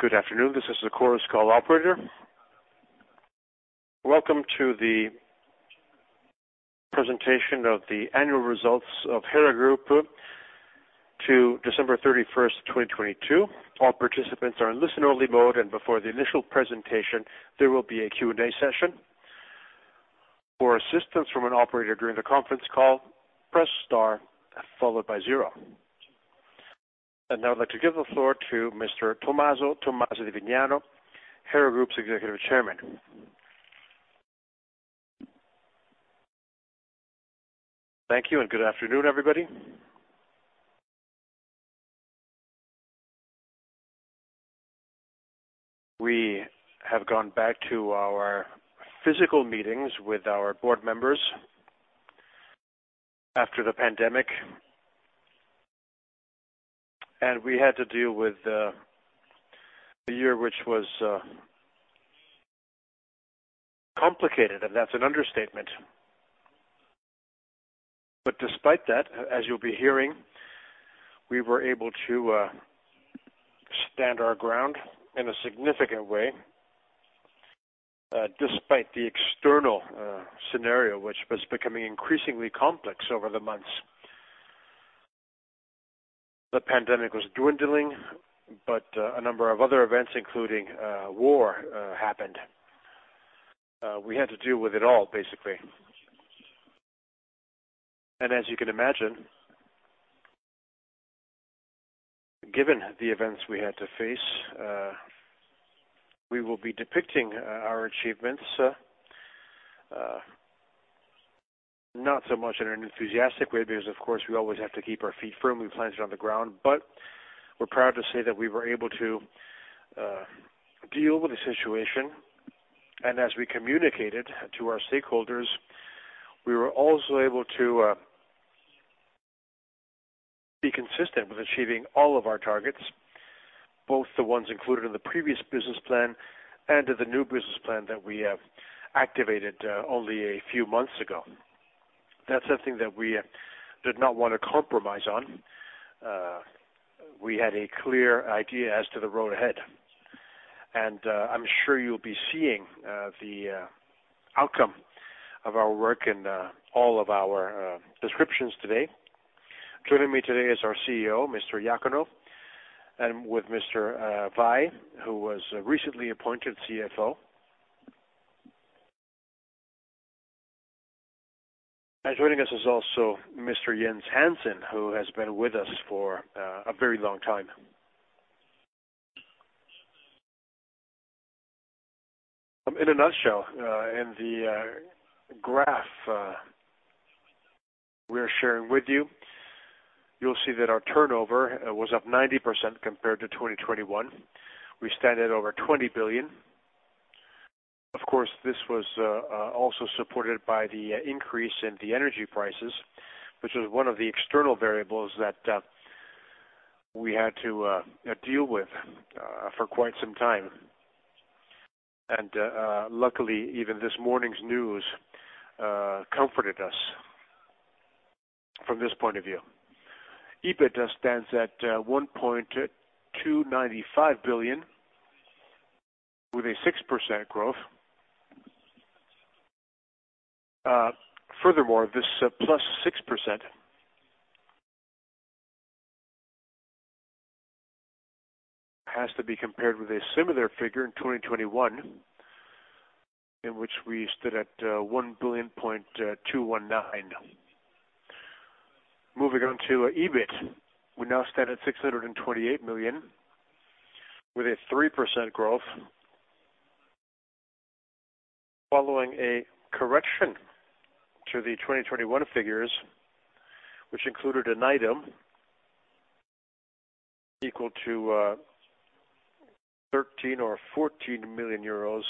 Good afternoon. This is the Chorus Call operator. Welcome to the presentation of the annual results of Hera Group to December 31, 2022. All participants are in listen only mode, and before the initial presentation, there will be a Q&A session. For assistance from an operator during the conference call, press star followed by zero. Now I'd like to give the floor to Mr. Tomaso Tommasi di Vignano, Hera Group's Executive Chairman. Thank you and good afternoon, everybody. We have gone back to our physical meetings with our board members after the pandemic. We had to deal with a year which was complicated, and that's an understatement. Despite that, as you'll be hearing, we were able to stand our ground in a significant way, despite the external scenario which was becoming increasingly complex over the months. The pandemic was dwindling, but a number of other events, including war, happened. We had to deal with it all, basically. As you can imagine, given the events we had to face, we will be depicting our achievements not so much in an enthusiastic way because, of course, we always have to keep our feet firmly planted on the ground. We're proud to say that we were able to deal with the situation. As we communicated to our stakeholders, we were also able to be consistent with achieving all of our targets, both the ones included in the previous business plan and in the new business plan that we have activated only a few months ago. That's something that we did not want to compromise on. We had a clear idea as to the road ahead. I'm sure you'll be seeing the outcome of our work in all of our descriptions today. Joining me today is our CEO, Mr. Iacono, and with Mr. Vai, who was recently appointed CFO. Joining us is also Mr. Jens Hansen, who has been with us for a very long time. In a nutshell, in the graph we're sharing with you'll see that our turnover was up 90% compared to 2021. We stand at over 20 billion. Of course, this was also supported by the increase in the energy prices, which was one of the external variables that we had to deal with for quite some time. Luckily, even this morning's news comforted us from this point of view. EBITDA stands at 1.295 billion with a 6% growth. Furthermore, this +6% has to be compared with a similar figure in 2021, in which we stood at 1.219 billion. Moving on to EBIT, we now stand at 628 million with a 3% growth following a correction to the 2021 figures, which included an item equal to 13 million or 14 million euros,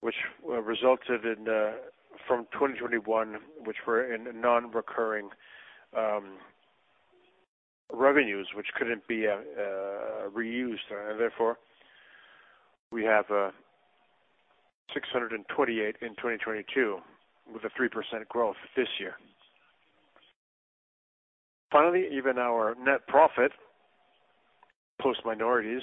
which resulted in from 2021, which were in non-recurring revenues which couldn't be reused. Therefore, we have 628 million in 2022 with a 3% growth this year. Even our net profit, post minorities,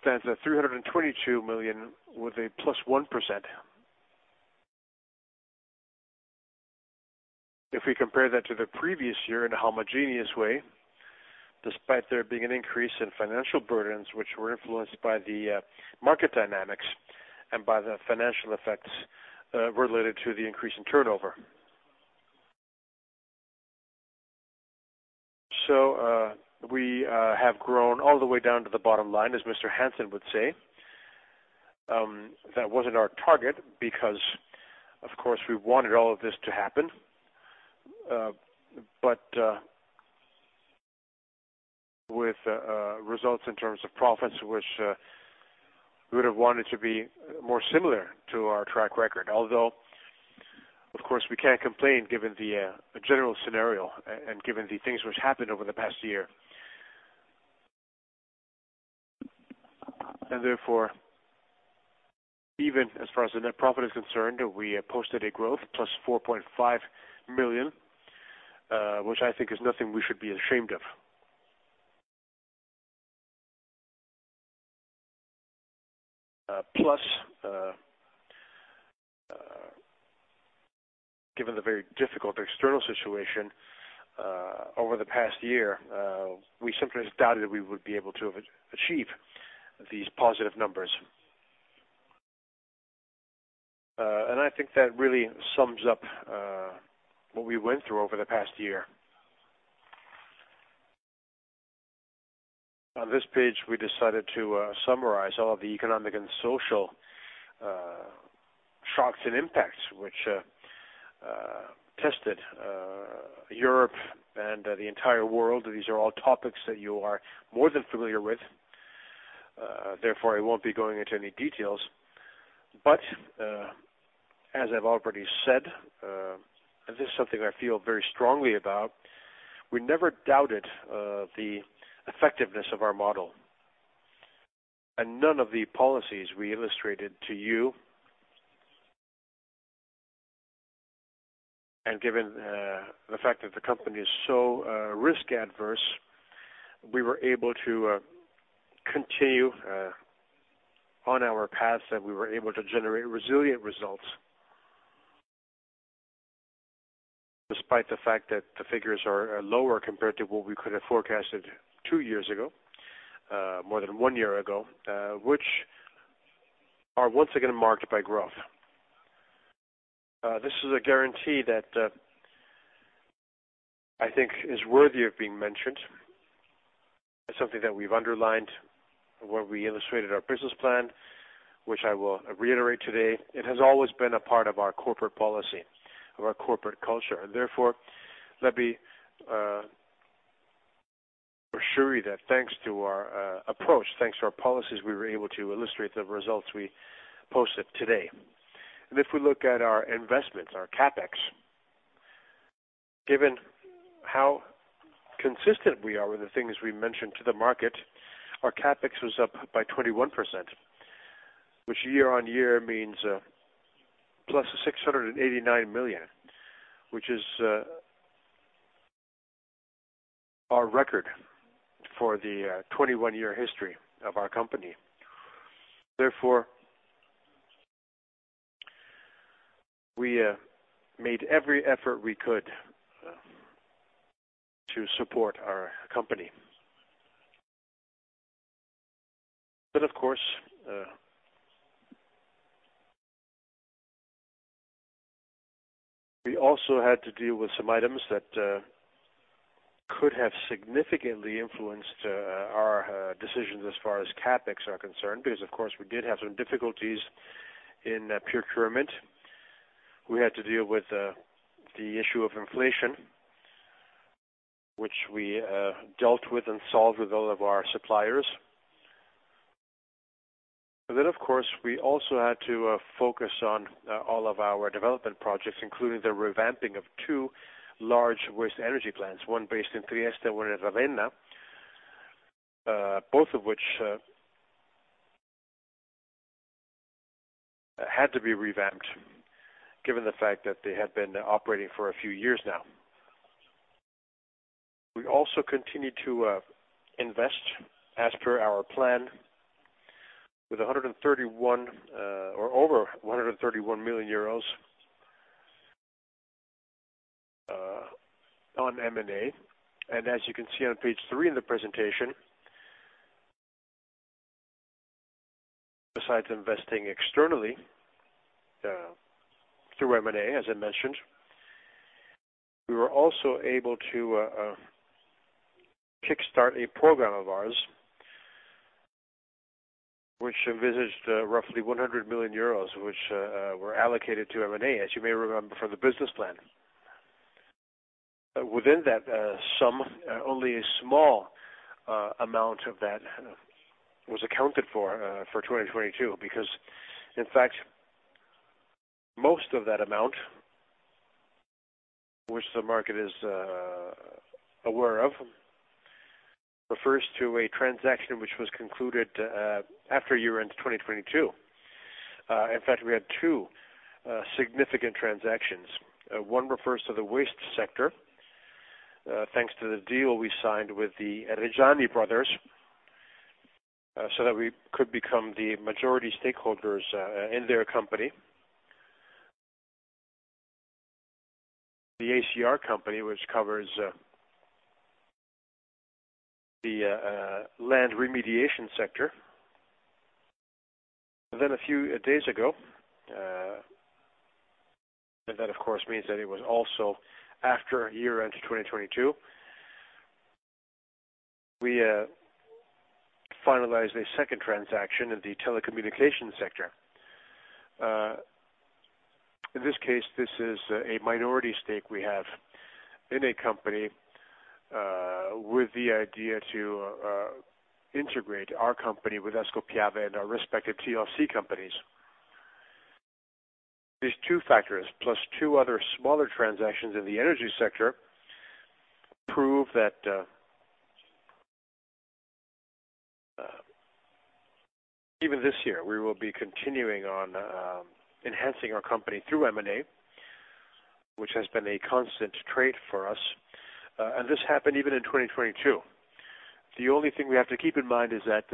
stands at 322 million with a +1% if we compare that to the previous year in a homogeneous way, despite there being an increase in financial burdens which were influenced by the market dynamics and by the financial effects related to the increase in turnover. We have grown all the way down to the bottom line, as Mr. Hansen would say. That wasn't our target because, of course, we wanted all of this to happen, but with results in terms of profits, which we would have wanted to be more similar to our track record. Although, of course, we can't complain given the general scenario and given the things which happened over the past year. Therefore, even as far as the net profit is concerned, we posted a growth plus 4.5 million, which I think is nothing we should be ashamed of. Plus, given the very difficult external situation over the past year, we simply doubted that we would be able to have achieve these positive numbers. I think that really sums up what we went through over the past year. On this page, we decided to summarize all of the economic and social shocks and impacts which tested Europe and the entire world. These are all topics that you are more than familiar with. Therefore, I won't be going into any details. As I've already said, and this is something I feel very strongly about, we never doubted the effectiveness of our model. None of the policies we illustrated to you... Given the fact that the company is so risk-averse, we were able to continue on our path, that we were able to generate resilient results. Despite the fact that the figures are lower compared to what we could have forecasted two years ago, more than one year ago, which are once again marked by growth. This is a guarantee that I think is worthy of being mentioned. It's something that we've underlined when we illustrated our business plan, which I will reiterate today. It has always been a part of our corporate policy, of our corporate culture. Therefore, let me assure you that thanks to our approach, thanks to our policies, we were able to illustrate the results we posted today. If we look at our investments, our CapEx, given how consistent we are with the things we mentioned to the market, our CapEx was up by 21%, which year-on-year means EUR +689 million, which is our record for the 21-year history of our company. Therefore, we made every effort we could to support our company. Of course, we also had to deal with some items that could have significantly influenced our decisions as far as CapEx are concerned, because of course, we did have some difficulties in procurement. We had to deal with the issue of inflation, which we dealt with and solved with all of our suppliers. Of course, we also had to focus on all of our development projects, including the revamping of two large waste energy plants, one based in Trieste, one in Ravenna, both of which had to be revamped given the fact that they had been operating for a few years now. We also continued to invest as per our plan with 131 million, or over 131 million euros, on M&A. As you can see on page three in the presentation, besides investing externally, through M&A, as I mentioned, we were also able to kickstart a program of ours which envisaged roughly 100 million euros, which were allocated to M&A, as you may remember from the business plan. Within that sum, only a small amount of that was accounted for for 2022, because in fact, most of that amount, which the market is aware of, refers to a transaction which was concluded after year-end 2022. In fact, we had two significant transactions. One refers to the waste sector, thanks to the deal we signed with the Reggiani brothers, so that we could become the majority stakeholders in their company. The ACR company, which covers, the land remediation sector. A few days ago, and that of course, means that it was also after year-end 2022, we finalized a second transaction in the telecommunications sector. This is a minority stake we have in a company, with the idea to integrate our company with Ascopiave and our respective TLC companies. These two factors plus two other smaller transactions in the energy sector prove that, even this year, we will be continuing on, enhancing our company through M&A, which has been a constant trait for us. This happened even in 2022. The only thing we have to keep in mind is that,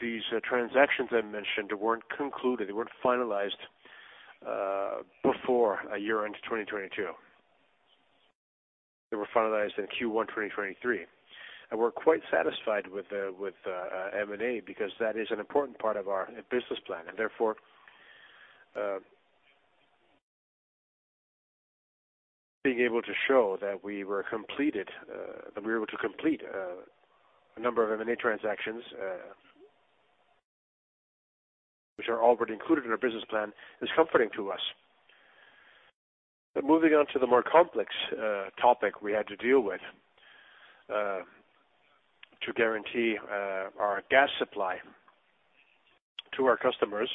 these transactions I mentioned weren't concluded, they weren't finalized, before a year into 2022. They were finalized in Q1 2023. We're quite satisfied with M&A because that is an important part of our business plan. Therefore, being able to show that we were able to complete a number of M&A transactions, which are already included in our business plan is comforting to us. Moving on to the more complex topic we had to deal with to guarantee our gas supply to our customers.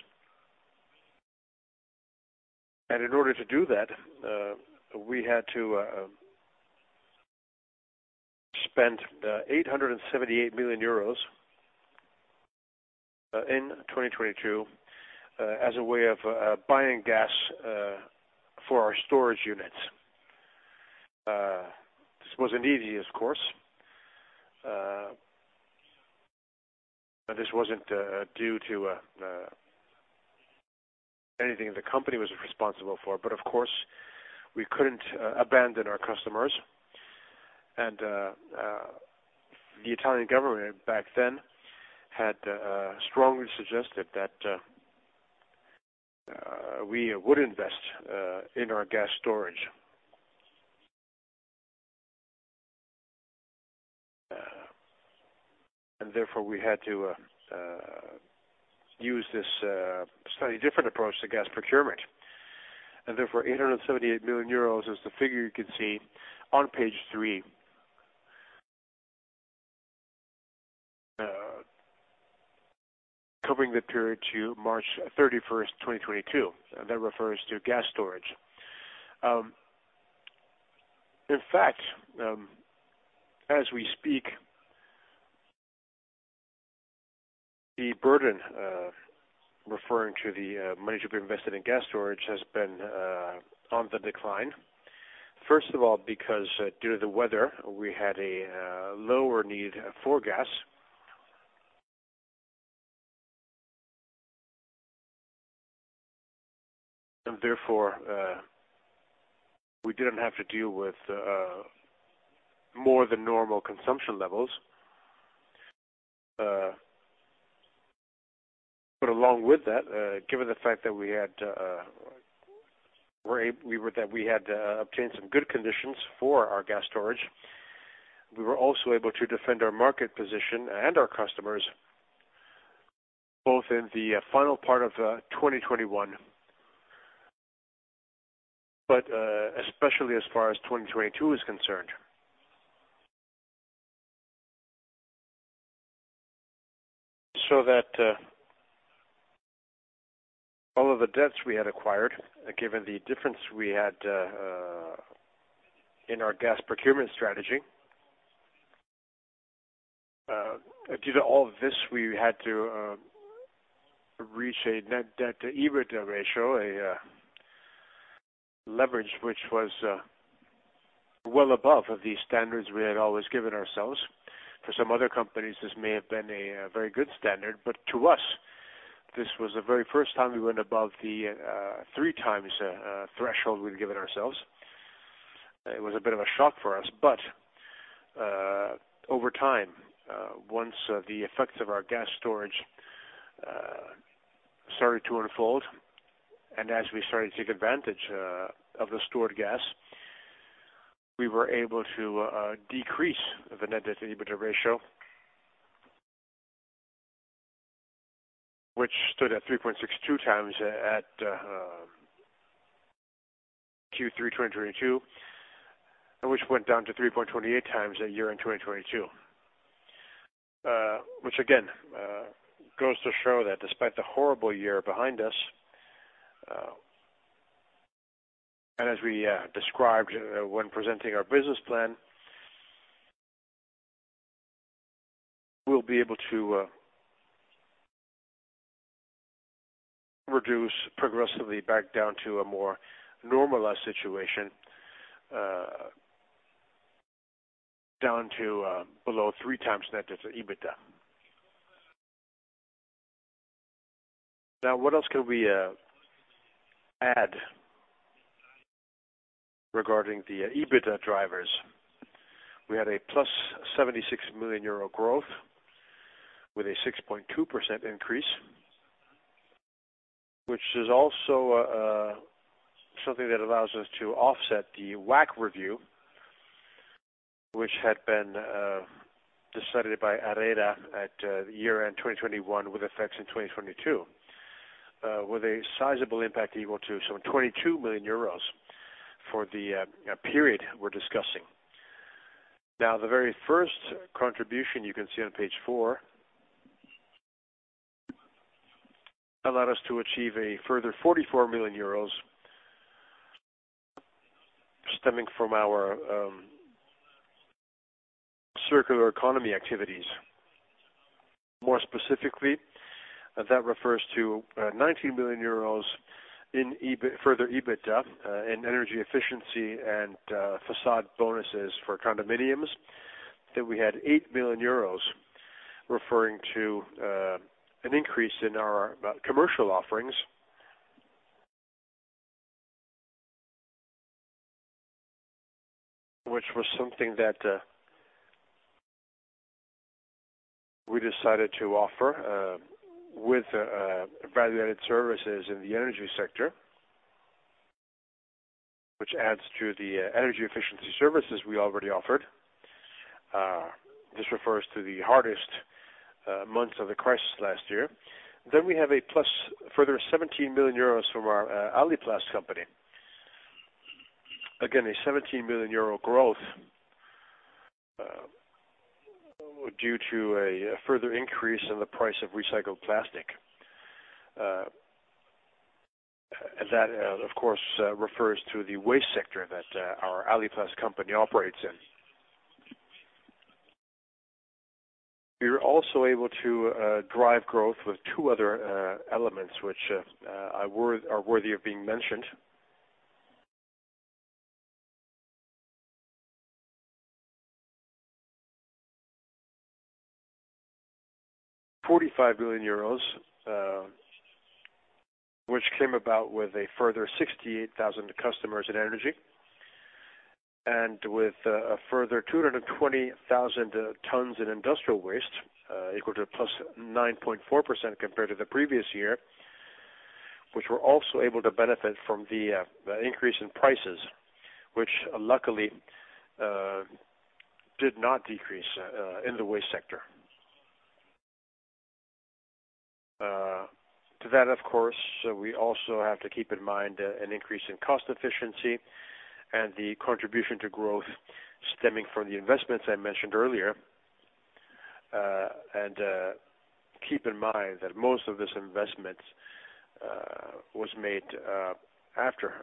In order to do that, we had to spend EUR 878 million in 2022 as a way of buying gas for our storage units. This wasn't easy, of course. This wasn't due to anything the company was responsible for, but of course, we couldn't abandon our customers. The Italian government back then had strongly suggested that we would invest in our gas storage. Therefore, we had to use this slightly different approach to gas procurement. Therefore, 878 million euros is the figure you can see on page three. Covering the period to March 31, 2022, and that refers to gas storage. In fact, as we speak, the burden of referring to the money to be invested in gas storage has been on the decline. First of all, because due to the weather, we had a lower need for gas. Therefore, we didn't have to deal with more than normal consumption levels. Along with that, given the fact that we had obtained some good conditions for our gas storage, we were also able to defend our market position and our customers, both in the final part of 2021, especially as far as 2022 is concerned. That all of the debts we had acquired, given the difference we had in our gas procurement strategy, due to all of this, we had to reach a net debt-to-EBITDA ratio, a leverage, which was well above of the standards we had always given ourselves. For some other companies, this may have been a very good standard, but to us, this was the very first time we went above the 3x threshold we'd given ourselves. It was a bit of a shock for us, but over time, once the effects of our gas storage started to unfold, and as we started to take advantage of the stored gas, we were able to decrease the net debt-to-EBITDA ratio, which stood at 3.62x at Q3 2022, and which went down to 3.28x at year-end 2022. Which again, goes to show that despite the horrible year behind us, and as we described, when presenting our business plan, we'll be able to reduce progressively back down to a more normalized situation, down to below 3x net debt to EBITDA. Now, what else can we add regarding the EBITDA drivers? We had a +76 million euro growth with a 6.2% increase, which is also something that allows us to offset the WACC review, which had been decided by ARERA at year-end 2021 with effects in 2022, with a sizable impact equal to some 22 million euros for the period we're discussing. Now, the very first contribution you can see on page four allowed us to achieve a further 44 million euros stemming from our circular economy activities. More specifically, that refers to 19 million euros in further EBITDA in energy efficiency and Facade Bonuses for condominiums. We had 8 million euros referring to an increase in our commercial offerings. Which was something that we decided to offer with value-added services in the energy sector, which adds to the energy efficiency services we already offered. This refers to the hardest months of the crisis last year. We have a plus further 17 million euros from our Aliplast company. Again, a 17 million euro growth due to a further increase in the price of recycled plastic. That, of course, refers to the waste sector that our Aliplast company operates in. We were also able to drive growth with two other elements which are worthy of being mentioned. EUR 45 million, which came about with a further 68,000 customers in energy, and with a further 220,000 tons in industrial waste, equal to +9.4% compared to the previous year, which were also able to benefit from the increase in prices, which luckily did not decrease in the waste sector. To that, of course, we also have to keep in mind an increase in cost efficiency and the contribution to growth stemming from the investments I mentioned earlier. Keep in mind that most of this investment was made after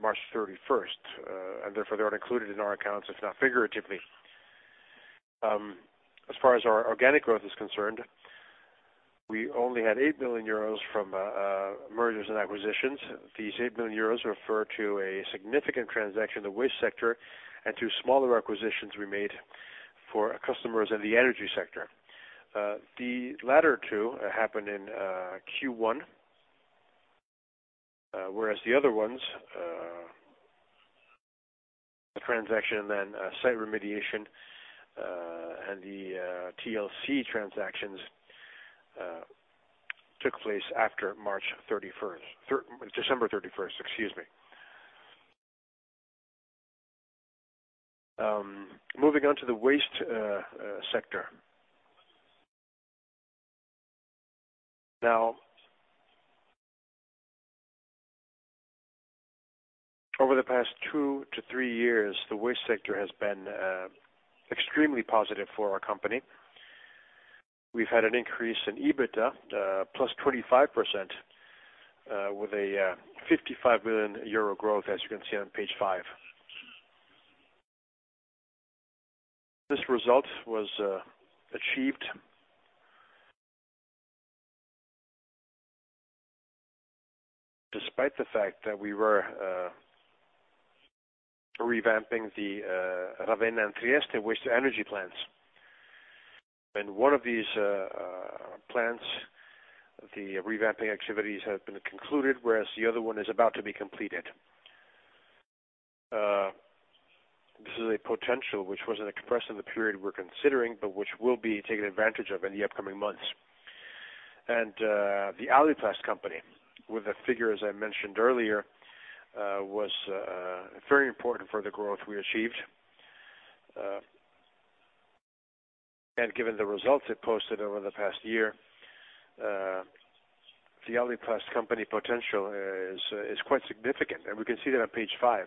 March 31st, and therefore, they aren't included in our accounts, if not figuratively. As far as our organic growth is concerned, we only had 8 million euros from mergers and acquisitions. These 8 million euros refer to a significant transaction in the waste sector and two smaller acquisitions we made for customers in the energy sector. The latter two happened in Q1, whereas the other ones, the transaction and then site remediation, and the TLC transactions took place after March 31st. December 31st, excuse me. Moving on to the waste sector. Now, over the past two to three years, the waste sector has been extremely positive for our company. We've had an increase in EBITDA, plus 25%, with a 55 million euro growth, as you can see on page five. This result was achieved despite the fact that we were revamping the Ravenna and Trieste waste energy plants. In one of these plants, the revamping activities have been concluded, whereas the other one is about to be completed. This is a potential which wasn't expressed in the period we're considering, but which will be taken advantage of in the upcoming months. The Aliplast company, with the figures I mentioned earlier, was very important for the growth we achieved. Given the results it posted over the past year, the Aliplast company potential is quite significant, and we can see that on page five.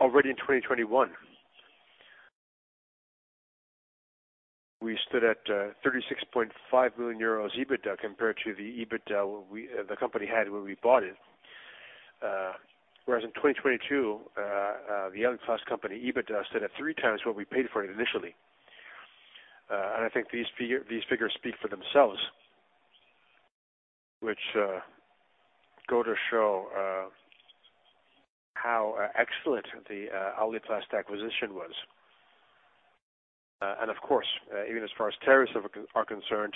Already in 2021, we stood at 36.5 million euros EBITDA compared to the EBITDA the company had when we bought it. Whereas in 2022, the Aliplast company EBITDA stood at 3x what we paid for it initially. I think these figures speak for themselves, which go to show how excellent the Aliplast acquisition was. Of course, even as far as tariffs are concerned,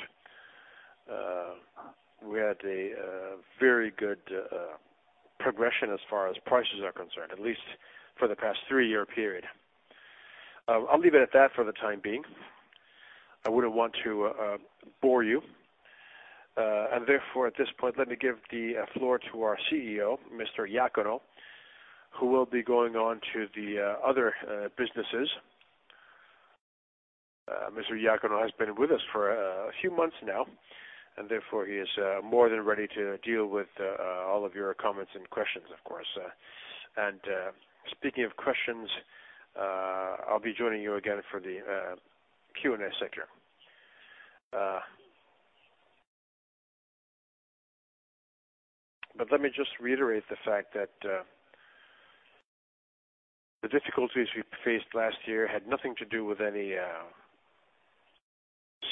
we had a very good progression as far as prices are concerned, at least for the past three-year period. I'll leave it at that for the time being. I wouldn't want to bore you. Therefore, at this point, let me give the floor to our CEO, Mr. Iacono, who will be going on to the other businesses. Iacono has been with us for a few months now, therefore he is more than ready to deal with all of your comments and questions, of course. Speaking of questions, I'll be joining you again for the Q&A sector. Let me just reiterate the fact that the difficulties we faced last year had nothing to do with any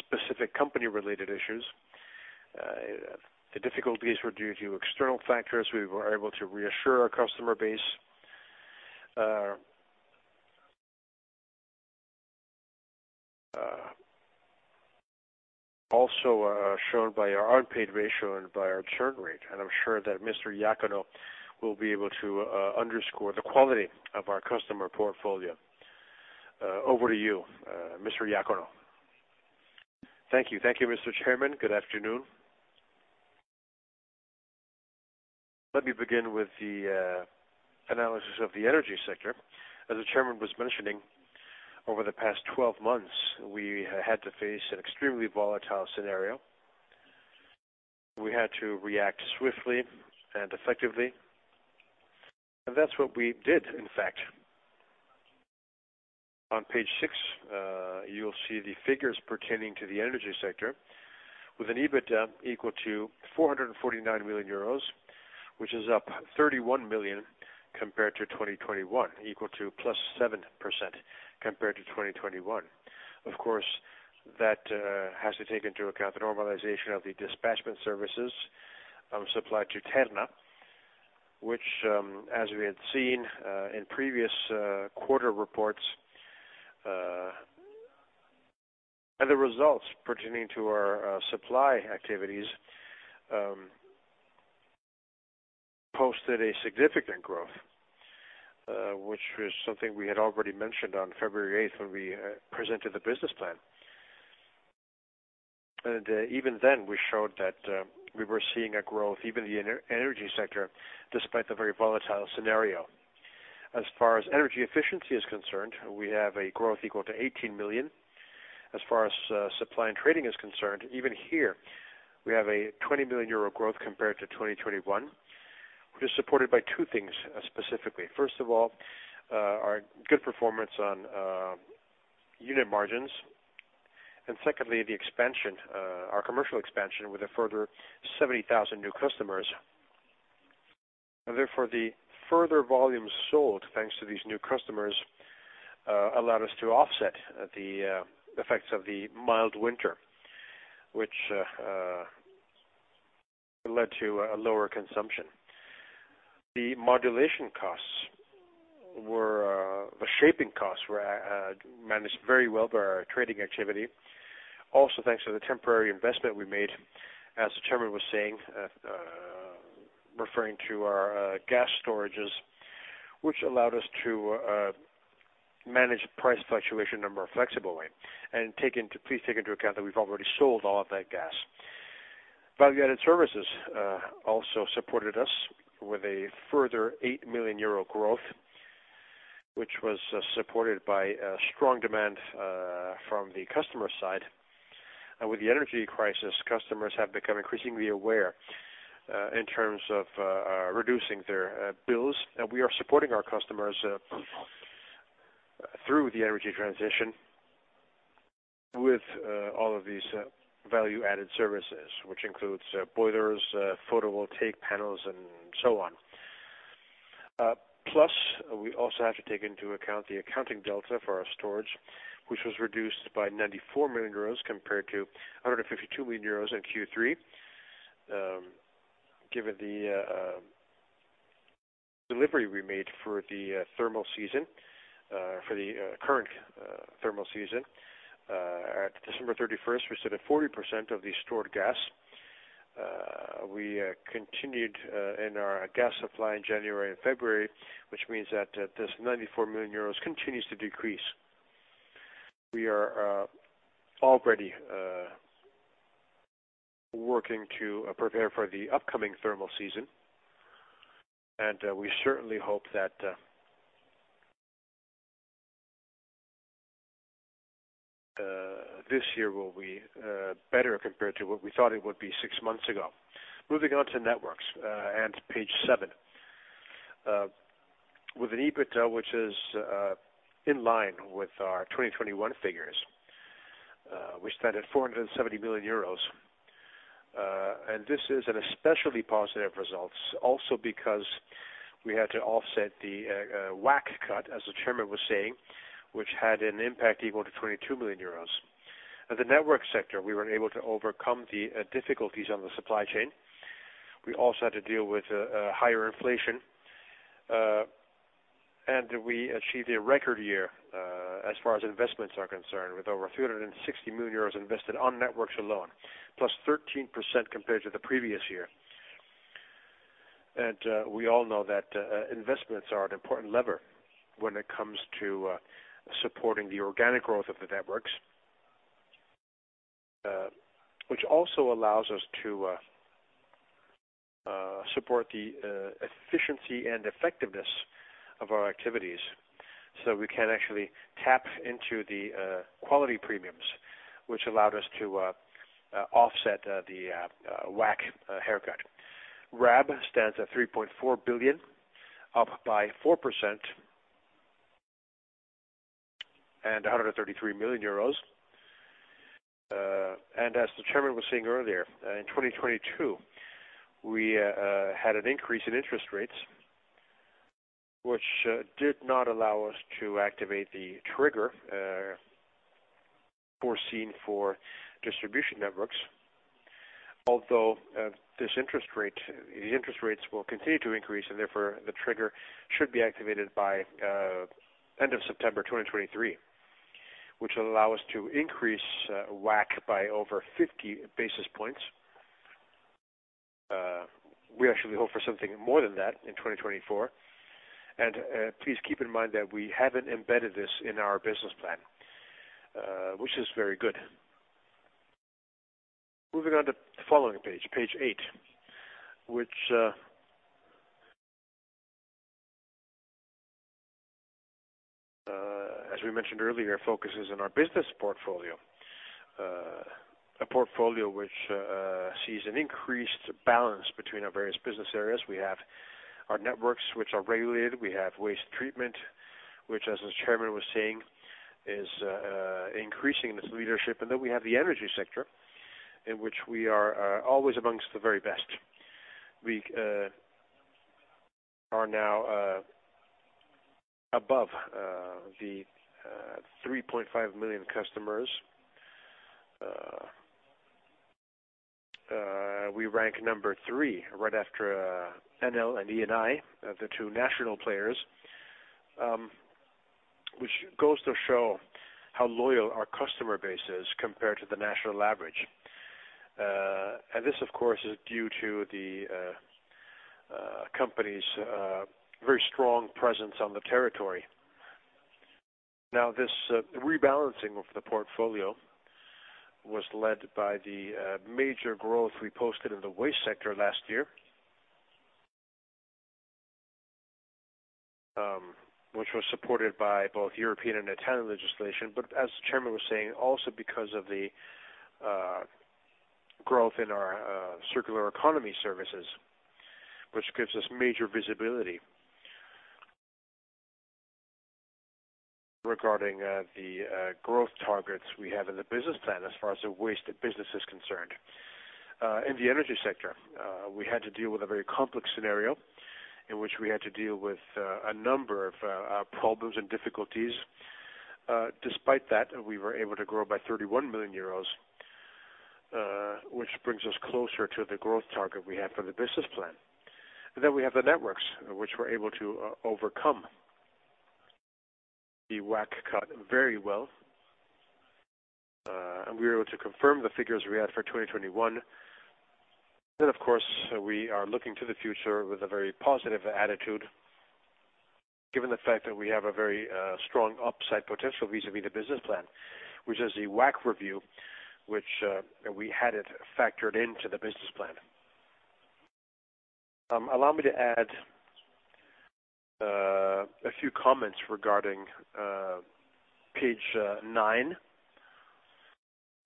specific company-related issues. The difficulties were due to external factors. We were able to reassure our customer base, also shown by our unpaid ratio and by our churn rate. I'm sure that Mr. Iacono will be able to underscore the quality of our customer portfolio. Over to you, Mr. Iacono. Thank you. Thank you, Mr. Chairman. Good afternoon. Let me begin with the analysis of the energy sector. As the chairman was mentioning, over the past 12 months, we had to face an extremely volatile scenario. That's what we did, in fact. On page six, you'll see the figures pertaining to the energy sector with an EBITDA equal to 449 million euros, which is up 31 million compared to 2021, equal to +7% compared to 2021. Of course, that has to take into account the normalization of the dispatching services supplied to Terna, which, as we had seen in previous quarter reports, and the results pertaining to our supply activities, posted a significant growth, which was something we had already mentioned on February 8th when we presented the business plan. Even then, we showed that we were seeing a growth, even in the energy sector, despite the very volatile scenario. As far as energy efficiency is concerned, we have a growth equal to 18 million. As far as supply and trading is concerned, even here we have a 20 million euro growth compared to 2021, which is supported by two things specifically. First of all, our good performance on unit margins. Secondly, the expansion, our commercial expansion with a further 70,000 new customers. Therefore, the further volumes sold, thanks to these new customers allowed us to offset the effects of the mild winter, which led to a lower consumption. The modulation costs were, the shaping costs were managed very well by our trading activity. Thanks to the temporary investment we made, as the chairman was saying, referring to our gas storages, which allowed us to manage price fluctuation in a more flexible way. Please take into account that we've already sold all of that gas. Value-added services also supported us with a further 8 million euro growth, which was supported by a strong demand from the customer side. With the energy crisis, customers have become increasingly aware in terms of reducing their bills. We are supporting our customers through the energy transition with all of these value-added services, which includes boilers, photovoltaic panels, and so on. Plus, we also have to take into account the accounting delta for our storage, which was reduced by 94 million euros compared to 152 million euros in Q3. Given the delivery we made for the thermal season, for the current thermal season, at December 31st, we stood at 40% of the stored gas. We continued in our gas supply in January and February, which means that this 94 million euros continues to decrease. We are already working to prepare for the upcoming thermal season, and we certainly hope that this year will be better compared to what we thought it would be six months ago. Moving on to networks, and page seven. With an EBITDA which is in line with our 2021 figures, we stand at 470 million euros. This is an especially positive results also because we had to offset the WACC cut, as the chairman was saying, which had an impact equal to 22 million euros. At the network sector, we were able to overcome the difficulties on the supply chain. We also had to deal with higher inflation, and we achieved a record year, as far as investments are concerned, with over 360 million euros invested on networks alone, +13% compared to the previous year. We all know that investments are an important lever when it comes to supporting the organic growth of the networks, which also allows us to support the efficiency and effectiveness of our activities, so we can actually tap into the quality premiums which allowed us to offset the WACC haircut. RAB stands at 3.4 billion, up by 4% and EUR 133 million. As the Chairman was saying earlier, in 2022, we had an increase in interest rates which did not allow us to activate the trigger foreseen for distribution networks. Although, these interest rates will continue to increase, and therefore the trigger should be activated by end of September 2023, which will allow us to increase WACC by over 50 basis points. We actually hope for something more than that in 2024. Please keep in mind that we haven't embedded this in our business plan, which is very good. Moving on to the following page eight, which, as we mentioned earlier, focuses on our business portfolio. A portfolio which sees an increased balance between our various business areas. We have our networks, which are regulated. We have waste treatment, which, as the chairman was saying, is increasing its leadership. We have the energy sector, in which we are always amongst the very best. We are now above the 3.5 million customers. We rank number three right after Enel and Eni, the two national players, which goes to show how loyal our customer base is compared to the national average. This, of course, is due to the company's very strong presence on the territory. Now, this rebalancing of the portfolio was led by the major growth we posted in the waste sector last year, which was supported by both European and Italian legislation. As the chairman was saying, also because of the growth in our circular economy services, which gives us major visibility. Regarding the growth targets we have in the business plan as far as the waste business is concerned. In the energy sector, we had to deal with a very complex scenario in which we had to deal with a number of problems and difficulties. Despite that, we were able to grow by 31 million euros, which brings us closer to the growth target we have for the business plan. We have the networks, which we're able to overcome the WACC cut very well. We were able to confirm the figures we had for 2021. Of course, we are looking to the future with a very positive attitude, given the fact that we have a very strong upside potential vis-à-vis the business plan, which is the WACC review, which we had it factored into the business plan. Allow me to add a few comments regarding page nine.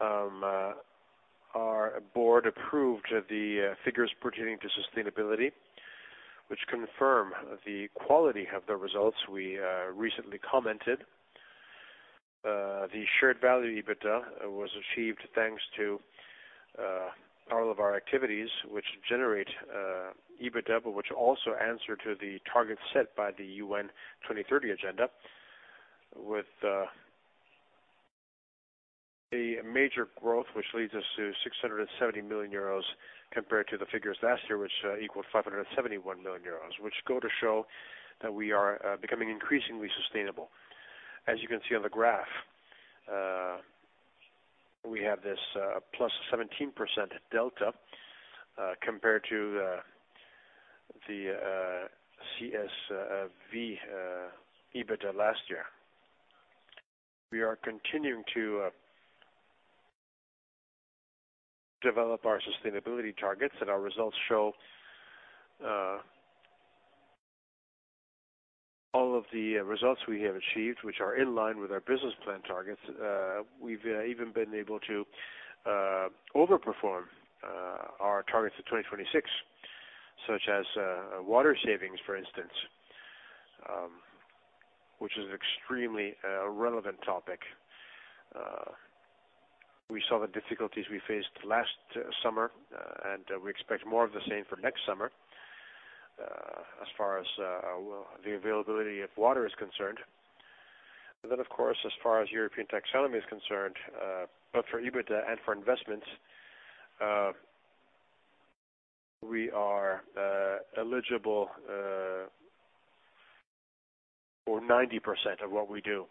Our board approved the figures pertaining to sustainability, which confirm the quality of the results we recently commented. The shared value EBITDA was achieved thanks to all of our activities, which generate EBITDA, but which also answer to the targets set by the UN 2030 Agenda with a major growth, which leads us to 670 million euros compared to the figures last year, which equaled 571 million euros, which go to show that we are becoming increasingly sustainable. As you can see on the graph, we have this +17% delta compared to the CSV EBITDA last year. We are continuing to develop our sustainability targets, our results show all of the results we have achieved, which are in line with our business plan targets. We've even been able to overperform our targets of 2026, such as water savings, for instance, which is an extremely relevant topic. We saw the difficulties we faced last summer, we expect more of the same for next summer, as far as the availability of water is concerned. Of course, as far as European taxonomy is concerned, both for EBITDA and for investments, we are eligible for 90% of what we do,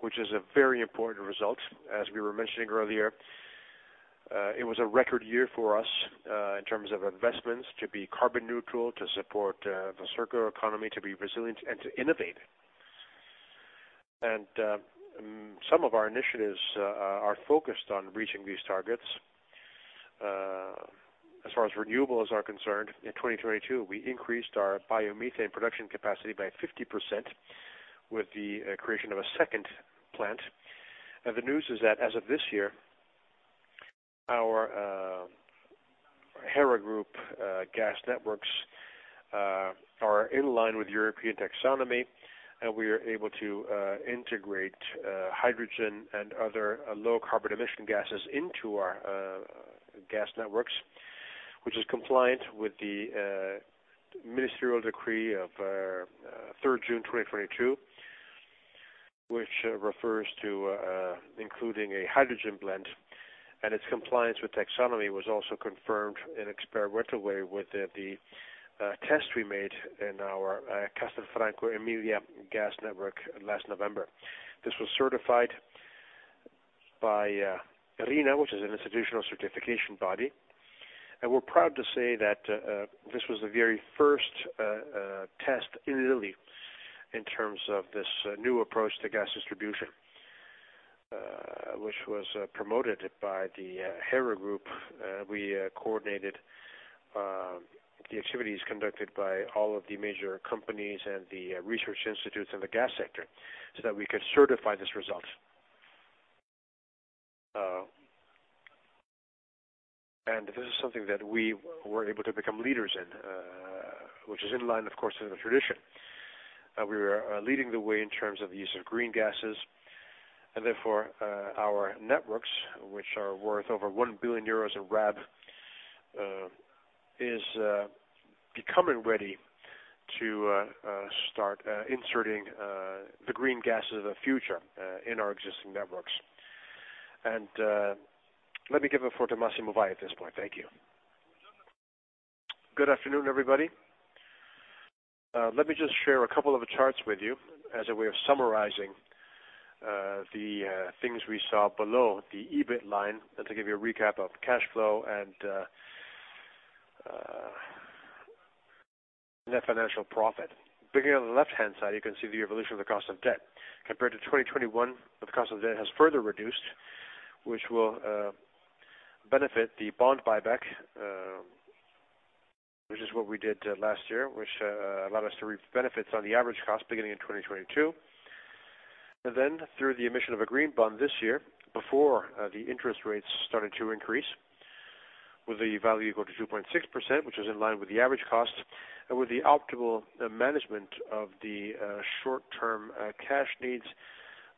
which is a very important result. As we were mentioning earlier, it was a record year for us, in terms of investments to be carbon neutral, to support, the circular economy, to be resilient, and to innovate. Some of our initiatives are focused on reaching these targets. As far as renewables are concerned, in 2022, we increased our biomethane production capacity by 50% with the creation of a second plant. The news is that as of this year, our Hera Group gas networks are in line with European taxonomy, and we are able to integrate hydrogen and other low carbon emission gases into our gas networks, which is compliant with the ministerial decree of 3 June 2022, which refers to including a hydrogen blend, and its compliance with taxonomy was also confirmed in experimental way with the test we made in our Castelfranco Emilia gas network last November. This was certified by RINA, which is an institutional certification body. We're proud to say that this was the very first test in Italy in terms of this new approach to gas distribution, which was promoted by the Hera Group. We coordinated the activities conducted by all of the major companies and the research institutes in the gas sector so that we could certify this result. This is something that we were able to become leaders in, which is in line, of course, in the tradition. We are leading the way in terms of the use of green gases, and therefore, our networks, which are worth over 1 billion euros in RAB, is becoming ready to start inserting the green gases of the future in our existing networks. Let me give over to Massimo Vai at this point. Thank you. Good afternoon, everybody. Let me just share a couple of charts with you as a way of summarizing the things we saw below the EBIT line, and to give you a recap of cash flow and net financial profit. Beginning on the left-hand side, you can see the evolution of the cost of debt. Compared to 2021, the cost of debt has further reduced, which will benefit the bond buyback, which is what we did last year, which allowed us to reap benefits on the average cost beginning in 2022. Through the emission of a green bond this year, before the interest rates started to increase, with a value equal to 2.6%, which is in line with the average cost, and with the optimal management of the short-term cash needs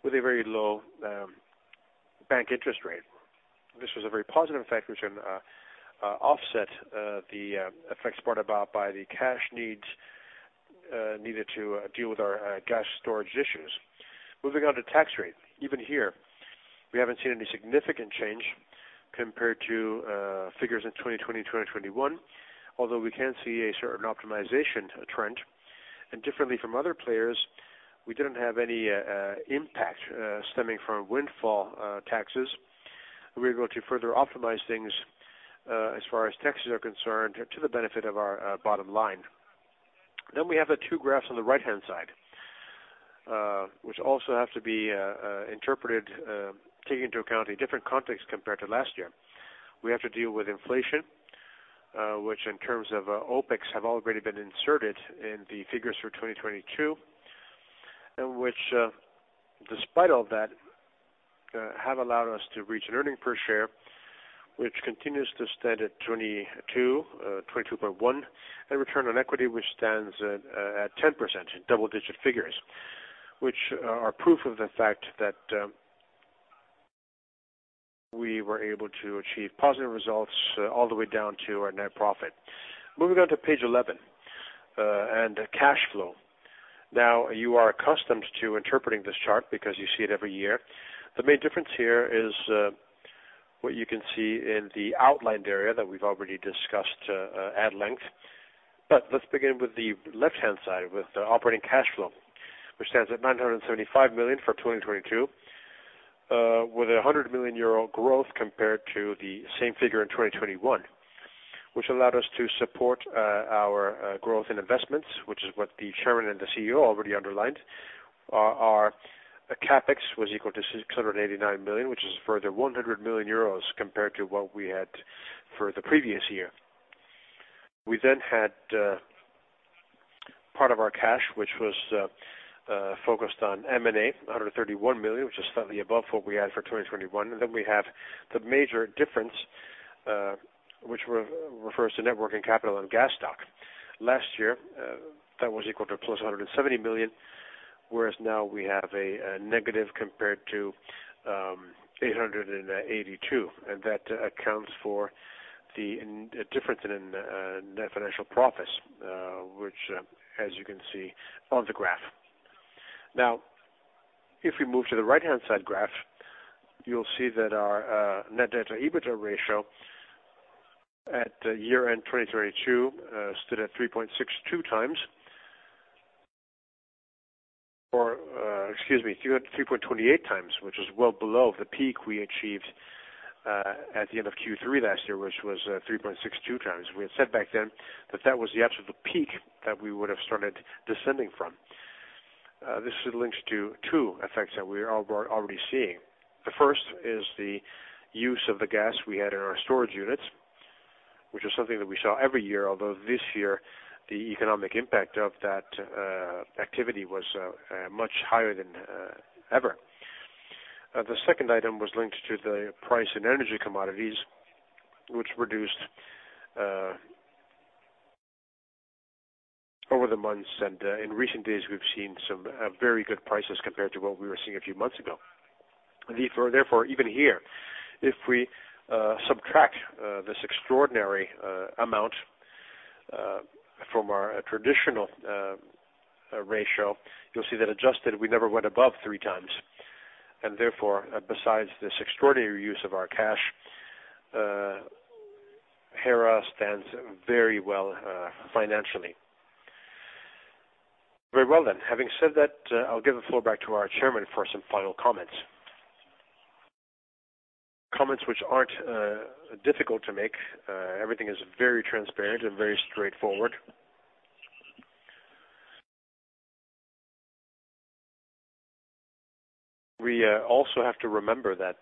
with a very low bank interest rate. This was a very positive effect, which can offset the effects brought about by the cash needs needed to deal with our gas storage issues. Moving on to tax rate. Even here, we haven't seen any significant change compared to figures in 2020, 2021, although we can see a certain optimization trend. Differently from other players, we didn't have any impact stemming from windfall taxes. We're going to further optimize things as far as taxes are concerned, to the benefit of our bottom line. We have the two graphs on the right-hand side, which also have to be interpreted, taking into account a different context compared to last year. We have to deal with inflation, which in terms of OpEx, have already been inserted in the figures for 2022, and which, despite all that, have allowed us to reach an earnings per share, which continues to stand at 22.1, and return on equity, which stands at 10% in double-digit figures, which are proof of the fact that we were able to achieve positive results all the way down to our net profit. Moving on to page 11 and cash flow. Now, you are accustomed to interpreting this chart because you see it every year. The main difference here is what you can see in the outlined area that we've already discussed at length. Let's begin with the left-hand side, with the operating cash flow, which stands at 975 million for 2022, with 100 million euro growth compared to the same figure in 2021, which allowed us to support our growth in investments, which is what the Chairman and the CEO already underlined. Our CapEx was equal to 689 million, which is further 100 million euros compared to what we had for the previous year. We then had part of our cash, which was focused on M&A, 131 million, which is slightly above what we had for 2021. Then we have the major difference, which refers to net working capital and gas stock. Last year, that was equal to +170 million, whereas now we have a negative compared to 882 million. That accounts for the difference in net financial profits, which, as you can see on the graph. If we move to the right-hand side graph, you'll see that our net debt-to-EBITDA ratio at year-end 2022 stood at 3.62x. Excuse me, 3.28x, which is well below the peak we achieved at the end of Q3 last year, which was, 3.62x. We had said back then that that was the absolute peak that we would have started descending from. This links to two effects that we are already seeing. The first is the use of the gas we had in our storage units, which is something that we saw every year, although this year the economic impact of that activity was much higher than ever. The second item was linked to the price in energy commodities which reduced over the months, and in recent days, we've seen some very good prices compared to what we were seeing a few months ago. Therefore, even here, if we subtract this extraordinary amount from our traditional ratio, you'll see that adjusted, we never went above 3x. Therefore, besides this extraordinary use of our cash, Hera stands very well financially. Very well, having said that, I'll give the floor back to our chairman for some final comments. Comments which aren't difficult to make. Everything is very transparent and very straightforward. We also have to remember that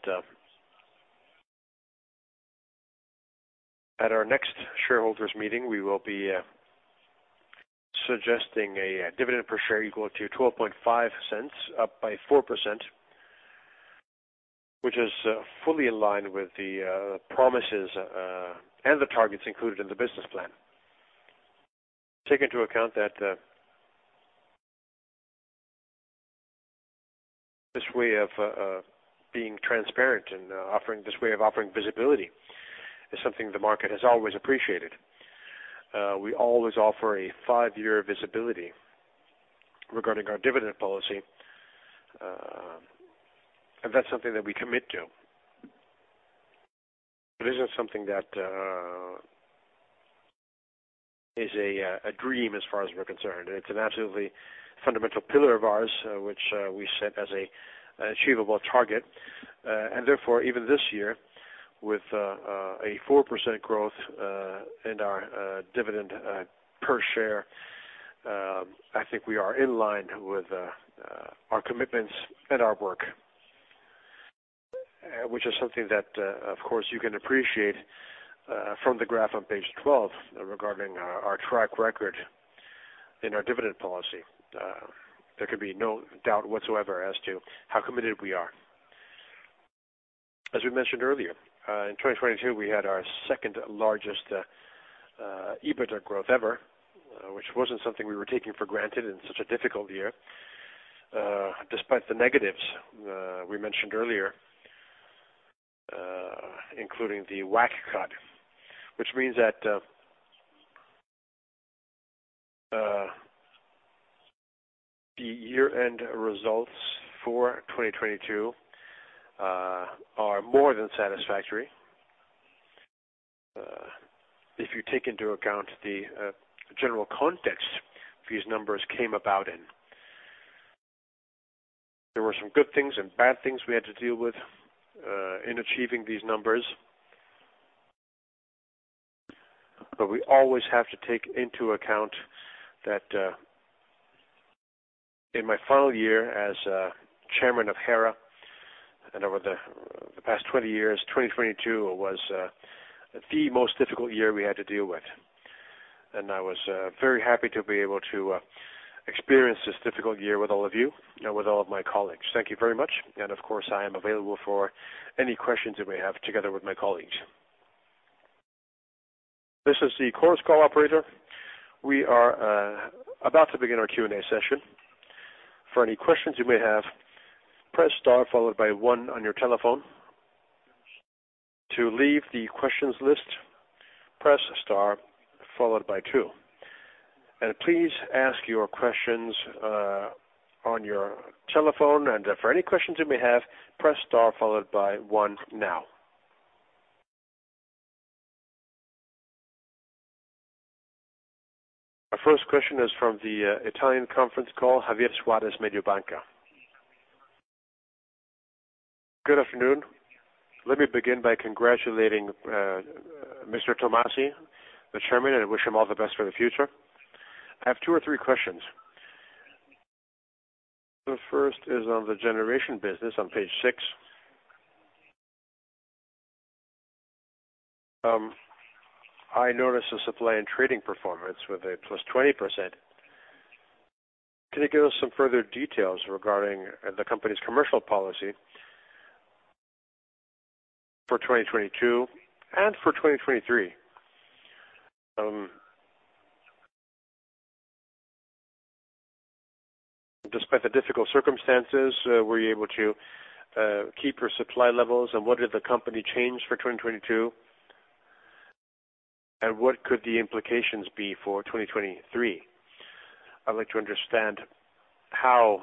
at our next shareholders meeting, we will be suggesting a dividend per share equal to 0.125, up by 4%, which is fully aligned with the promises and the targets included in the business plan. Take into account that this way of being transparent and this way of offering visibility is something the market has always appreciated. We always offer a five-year visibility regarding our dividend policy, and that's something that we commit to. It isn't something that is a dream as far as we're concerned. It's an absolutely fundamental pillar of ours, which we set as an achievable target. Therefore, even this year, with a 4% growth in our dividend per share, I think we are in line with our commitments and our work. Which is something that, of course, you can appreciate from the graph on page 12 regarding our track record in our dividend policy. There could be no doubt whatsoever as to how committed we are. As we mentioned earlier, in 2022, we had our second-largest EBITDA growth ever, which wasn't something we were taking for granted in such a difficult year, despite the negatives we mentioned earlier, including the WACC cut. Which means that the year-end results for 2022 are more than satisfactory, if you take into account the general context these numbers came about in. There were some good things and bad things we had to deal with in achieving these numbers. We always have to take into account that in my final year as chairman of Hera and over the past 20 years, 2022 was the most difficult year we had to deal with. I was very happy to be able to experience this difficult year with all of you and with all of my colleagues. Thank you very much. Of course, I am available for any questions you may have together with my colleagues. This is the Chorus Call operator. We are about to begin our Q&A session. For any questions you may have, press star followed by one on your telephone. To leave the questions list, press star followed by two. Please ask your questions on your telephone. For any questions you may have, press star followed by one now. Our first question is from the Italian conference call, Javier Suarez, Mediobanca. Good afternoon. Let me begin by congratulating Mr. Tomasi, the chairman, and wish him all the best for the future. I have two or three questions. The first is on the generation business on page six. I noticed the supply and trading performance with a +20%. Can you give us some further details regarding the company's commercial policy for 2022 and for 2023? Despite the difficult circumstances, were you able to keep your supply levels, and what did the company change for 2022? What could the implications be for 2023? I'd like to understand how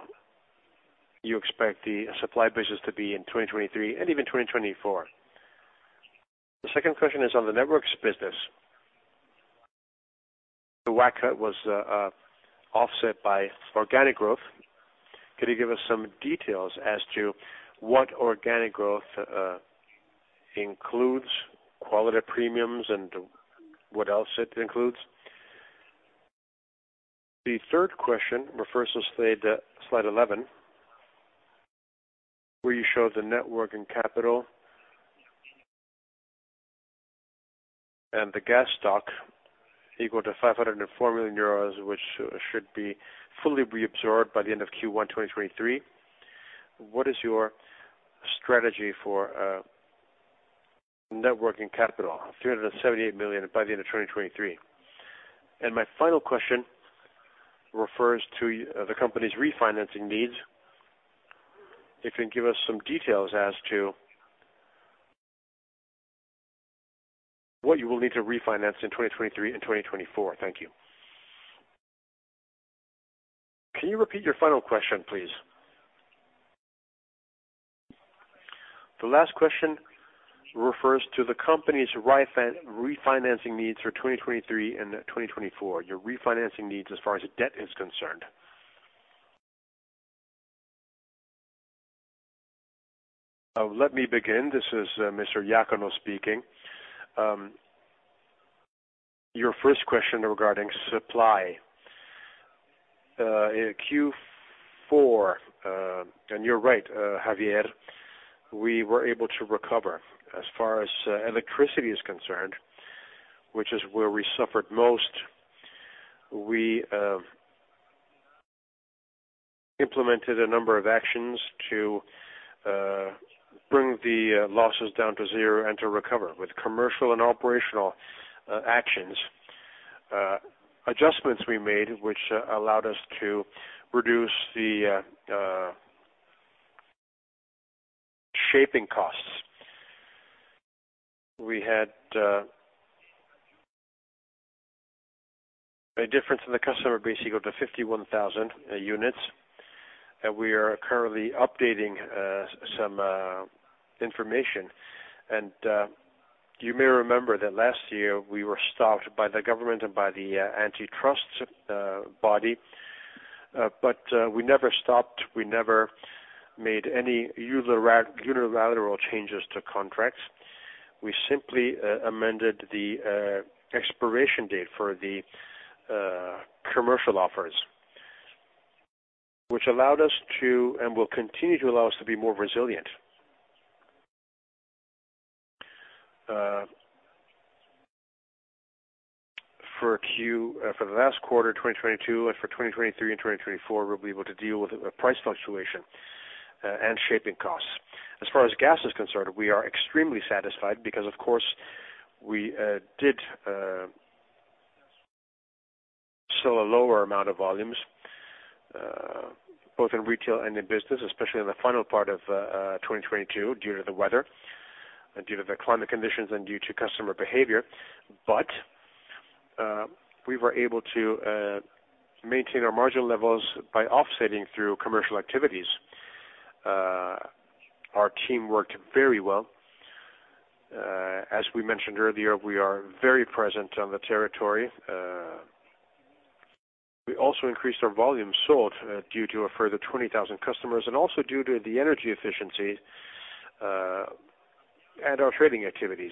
you expect the supply business to be in 2023 and even 2024. The second question is on the networks business. The WACC cut was offset by organic growth. Can you give us some details as to what organic growth includes quality premiums and what else it includes? The third question refers to slide 11, where you show the net working capital and the gas stock equal to 504 million euros, which should be fully reabsorbed by the end of Q1 2023. What is your strategy for net working capital of 378 million by the end of 2023? My final question refers to the company's refinancing needs. If you can give us some details as to what you will need to refinance in 2023 and 2024. Thank you. Can you repeat your final question, please? The last question refers to the company's refinancing needs for 2023 and 2024, your refinancing needs as far as debt is concerned. Let me begin. This is Mr. Iacono speaking. Your first question regarding supply. In Q4, you're right, Javier, we were able to recover. As far as electricity is concerned, which is where we suffered most, we implemented a number of actions to bring the losses down to zero and to recover with commercial and operational actions, adjustments we made, which allowed us to reduce the shaping costs. We had a difference in the customer base equal to 51,000 units. We are currently updating some information. You may remember that last year we were stopped by the government and by the antitrust body. We never stopped. We never made any unilateral changes to contracts. We simply amended the expiration date for the commercial offers, which allowed us to, and will continue to allow us to be more resilient. For the last quarter, 2022, and for 2023 and 2024, we'll be able to deal with price fluctuation and shaping costs. As far as gas is concerned, we are extremely satisfied because, of course, we did sell a lower amount of volumes, both in retail and in business, especially in the final part of 2022 due to the weather and due to the climate conditions and due to customer behavior. We were able to maintain our margin levels by offsetting through commercial activities. Our team worked very well. As we mentioned earlier, we are very present on the territory. We also increased our volume sold due to a further 20,000 customers and also due to the energy efficiency and our trading activities.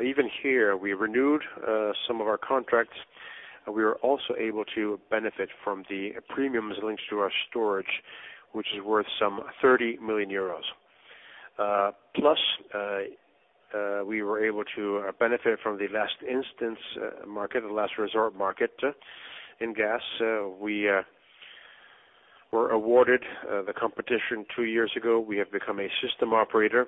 Even here, we renewed some of our contracts, and we were also able to benefit from the premiums linked to our storage, which is worth some 30 million euros. Plus, we were able to benefit from the last instance market, the last resort market in gas. We were awarded the competition two years ago. We have become a system operator.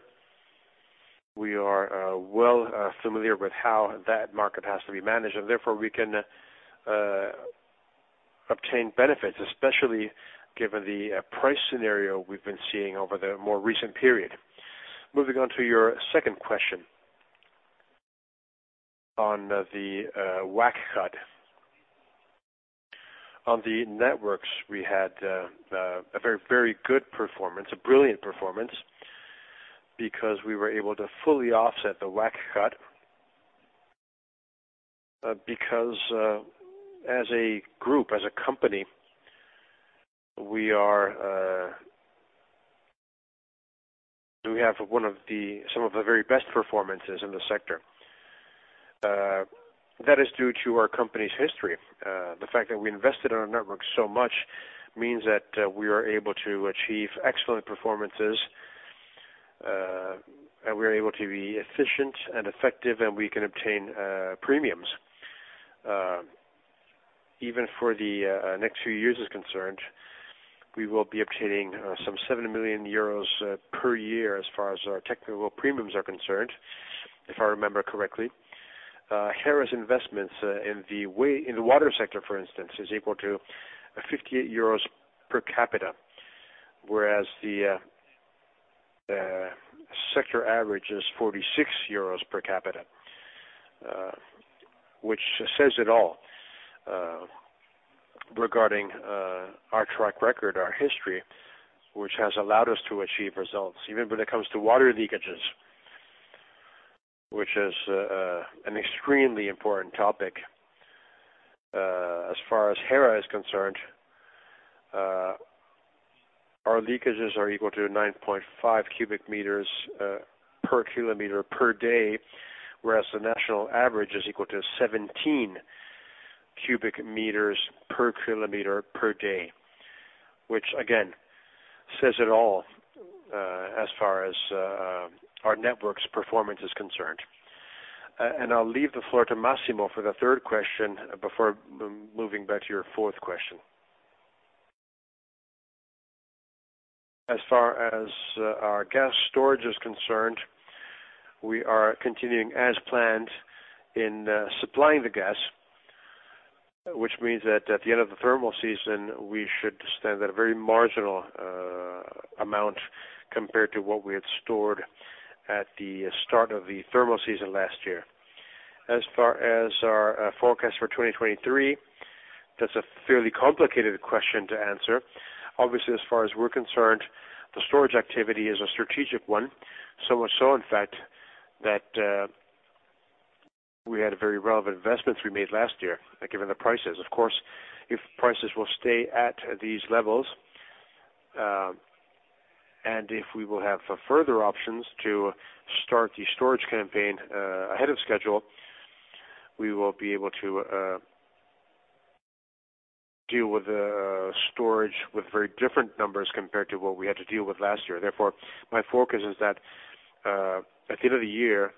We are well familiar with how that market has to be managed, and therefore we can obtain benefits, especially given the price scenario we've been seeing over the more recent period. Moving on to your second question on the WACC cut. On the networks, we had a very, very good performance, a brilliant performance, because we were able to fully offset the WACC cut. As a group, as a company, we are, we have some of the very best performances in the sector. That is due to our company's history. The fact that we invested in our network so much means that we are able to achieve excellent performances, and we're able to be efficient and effective, and we can obtain premiums. Even for the next few years is concerned, we will be obtaining some 7 million euros per year as far as our technical premiums are concerned, if I remember correctly. Hera's investments in the water sector, for instance, is equal to 58 euros per capita, whereas the sector average is 46 euros per capita, which says it all. Regarding our track record, our history, which has allowed us to achieve results, even when it comes to water leakages, which is an extremely important topic as far as Hera is concerned, our leakages are equal to 9.5 cubic meters per kilometer per day, whereas the national average is equal to 17 cubic meters per kilometer per day, which again says it all as far as our network's performance is concerned. I'll leave the floor to Massimo for the third question before moving back to your fourth question. As far as our gas storage is concerned, we are continuing as planned in supplying the gas, which means that at the end of the thermal season, we should stand at a very marginal amount compared to what we had stored at the start of the thermal season last year. As far as our forecast for 2023, that's a fairly complicated question to answer. Obviously, as far as we're concerned, the storage activity is a strategic one. So much so in fact that we had very relevant investments we made last year, given the prices. Of course, if prices will stay at these levels, if we will have further options to start the storage campaign ahead of schedule, we will be able to deal with the storage with very different numbers compared to what we had to deal with last year. My focus is that at the end of the year,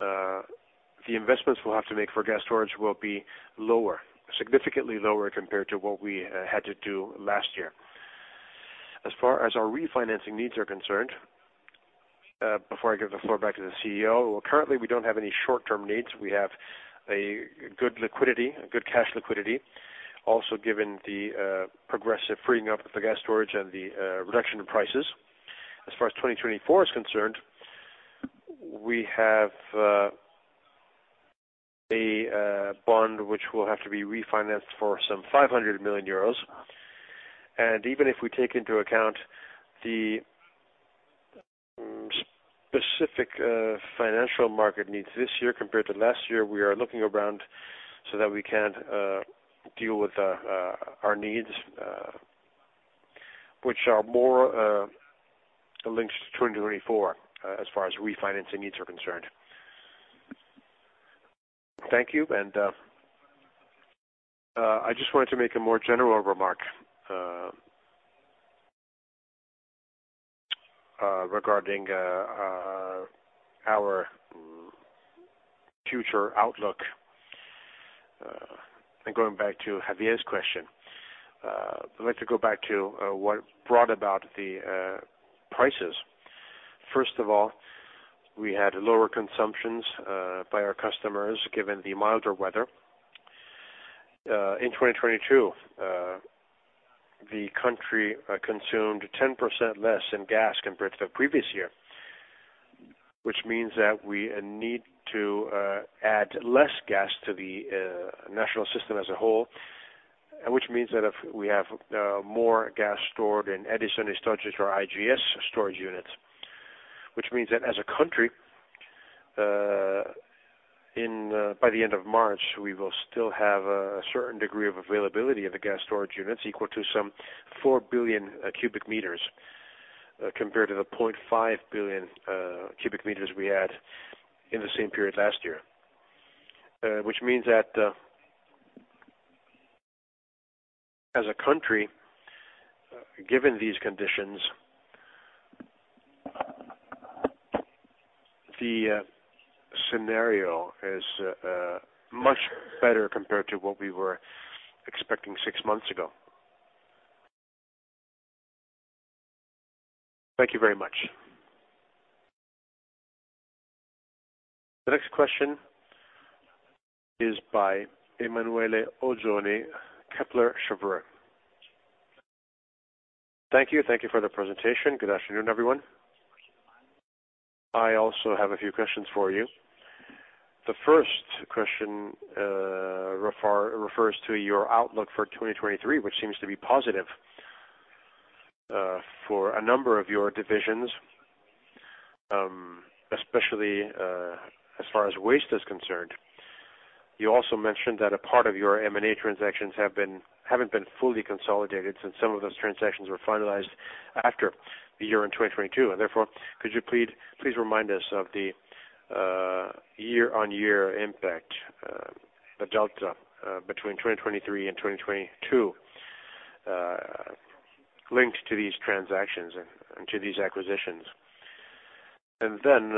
the investments we'll have to make for gas storage will be lower, significantly lower compared to what we had to do last year. As far as our refinancing needs are concerned, before I give the floor back to the CEO, currently we don't have any short-term needs. We have a good liquidity, a good cash liquidity. Given the progressive freeing up of the gas storage and the reduction in prices. As far as 2024 is concerned, we have a bond which will have to be refinanced for some 500 million euros. Even if we take into account the specific financial market needs this year compared to last year, we are looking around so that we can deal with our needs which are more linked to 2024 as far as refinancing needs are concerned. Thank you. I just wanted to make a more general remark regarding our future outlook. Going back to Javier's question, I'd like to go back to what brought about the prices. First of all, we had lower consumptions by our customers, given the milder weather. In 2022, the country consumed 10% less in gas compared to the previous year, which means that we need to add less gas to the national system as a whole, and which means that if we have more gas stored in Edison Stoccaggio or IGS storage units, which means that as a country, by the end of March, we will still have a certain degree of availability of the gas storage units equal to some 4 billion cubic meters, compared to the 0.5 billion cubic meters we had in the same period last year. Which means that as a country, given these conditions, the scenario is much better compared to what we were expecting 6 months ago. Thank you very much. The next question is by Emanuele Oggioni, Kepler Cheuvreux. Thank you. Thank you for the presentation. Good afternoon, everyone. I also have a few questions for you. The first question refers to your outlook for 2023, which seems to be positive for a number of your divisions, especially as far as waste is concerned. You also mentioned that a part of your M&A transactions haven't been fully consolidated since some of those transactions were finalized after the year-end 2022. Therefore, could you please remind us of the year-on-year impact, the delta, between 2023 and 2022, linked to these transactions and to these acquisitions. Then,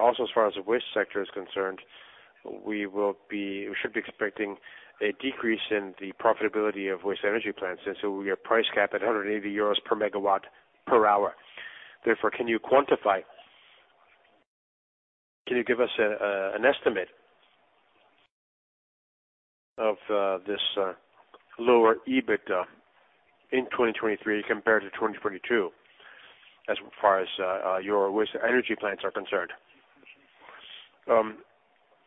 also as far as the waste sector is concerned, we should be expecting a decrease in the profitability of waste energy plants. Your price cap at 180 euros per MWh. Therefore, can you quantify? Can you give us an estimate of this lower EBITDA in 2023 compared to 2022 as far as your waste energy plants are concerned.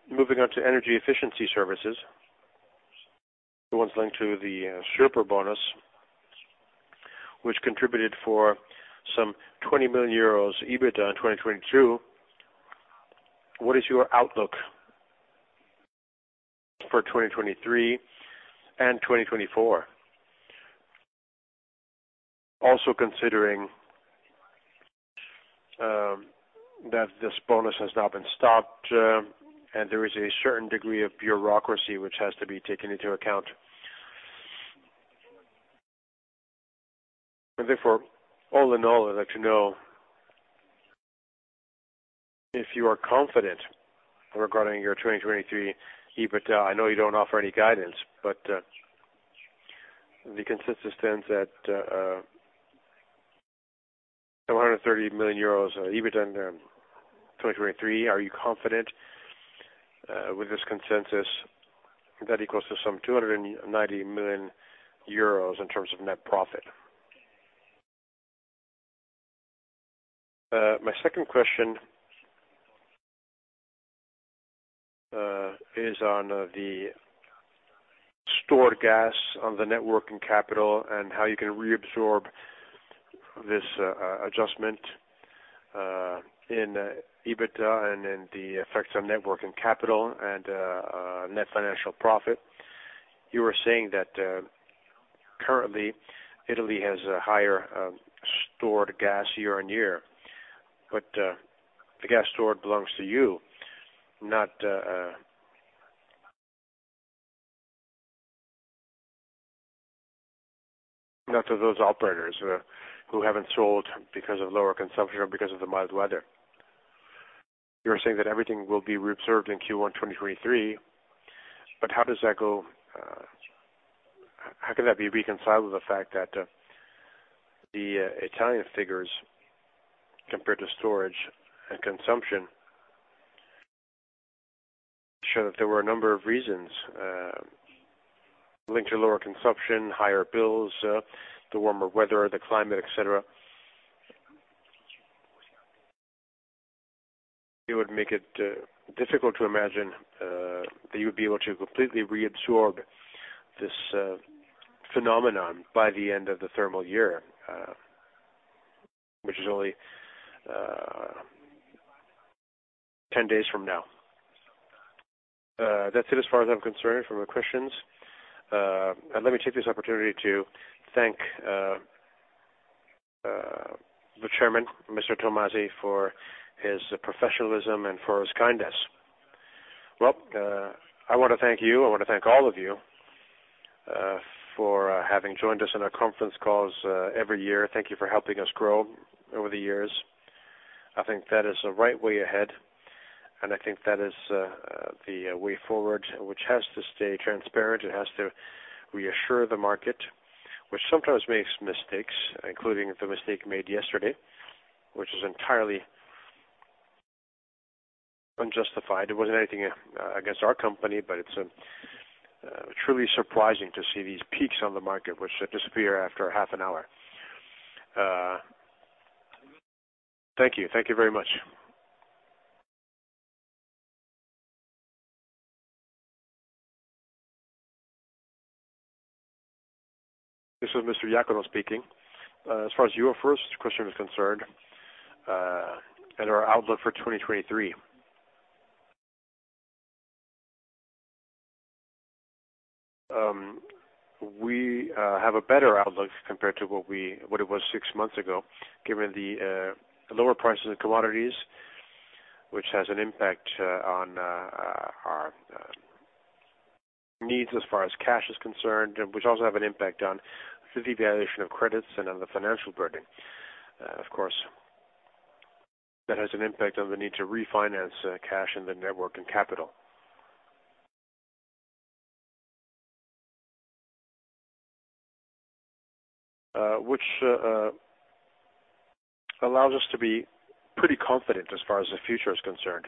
Moving on to energy efficiency services, the ones linked to the Superbonus, which contributed for some 20 million euros EBITDA in 2022. What is your outlook for 2023 and 2024? Also considering that this bonus has now been stopped, and there is a certain degree of bureaucracy which has to be taken into account. Therefore, all in all, I'd like to know if you are confident regarding your 2023 EBITDA. I know you don't offer any guidance, but the consensus stands at 130 million euros EBITDA in 2023. Are you confident with this consensus that equals to some 290 million euros in terms of net profit? My second question is on the stored gas on the network and capital and how you can reabsorb this adjustment in EBITDA and in the effects on network and capital and net financial profit. You were saying that currently Italy has a higher stored gas year-over-year, but the gas stored belongs to you, not to those operators who haven't sold because of lower consumption or because of the mild weather. You were saying that everything will be reabsorbed in Q1 2023, how does that go? How could that be reconciled with the fact that the Italian figures compared to storage and consumption show that there were a number of reasons linked to lower consumption, higher bills, the warmer weather, the climate, et cetera. It would make it difficult to imagine that you would be able to completely reabsorb this phenomenon by the end of the thermal year, which is only 10 days from now. That's it as far as I'm concerned for my questions. Let me take this opportunity to thank the Chairman, Mr. Tomasi, for his professionalism and for his kindness. Well, I want to thank you. I want to thank all of you, for having joined us on our conference calls, every year. Thank you for helping us grow over the years. I think that is the right way ahead, and I think that is the way forward, which has to stay transparent. It has to reassure the market, which sometimes makes mistakes, including the mistake made yesterday, which is entirely unjustified. It wasn't anything against our company, but it's truly surprising to see these peaks on the market which disappear after half an hour. Thank you. Thank you very much. This is Mr. Iacono speaking. As far as your first question is concerned, and our outlook for 2023, we have a better outlook compared to what it was six months ago, given the lower prices of commodities, which has an impact on our needs as far as cash is concerned, which also have an impact on the devaluation of credits and on the financial burden. Of course, that has an impact on the need to refinance cash in the network and capital, which allows us to be pretty confident as far as the future is concerned.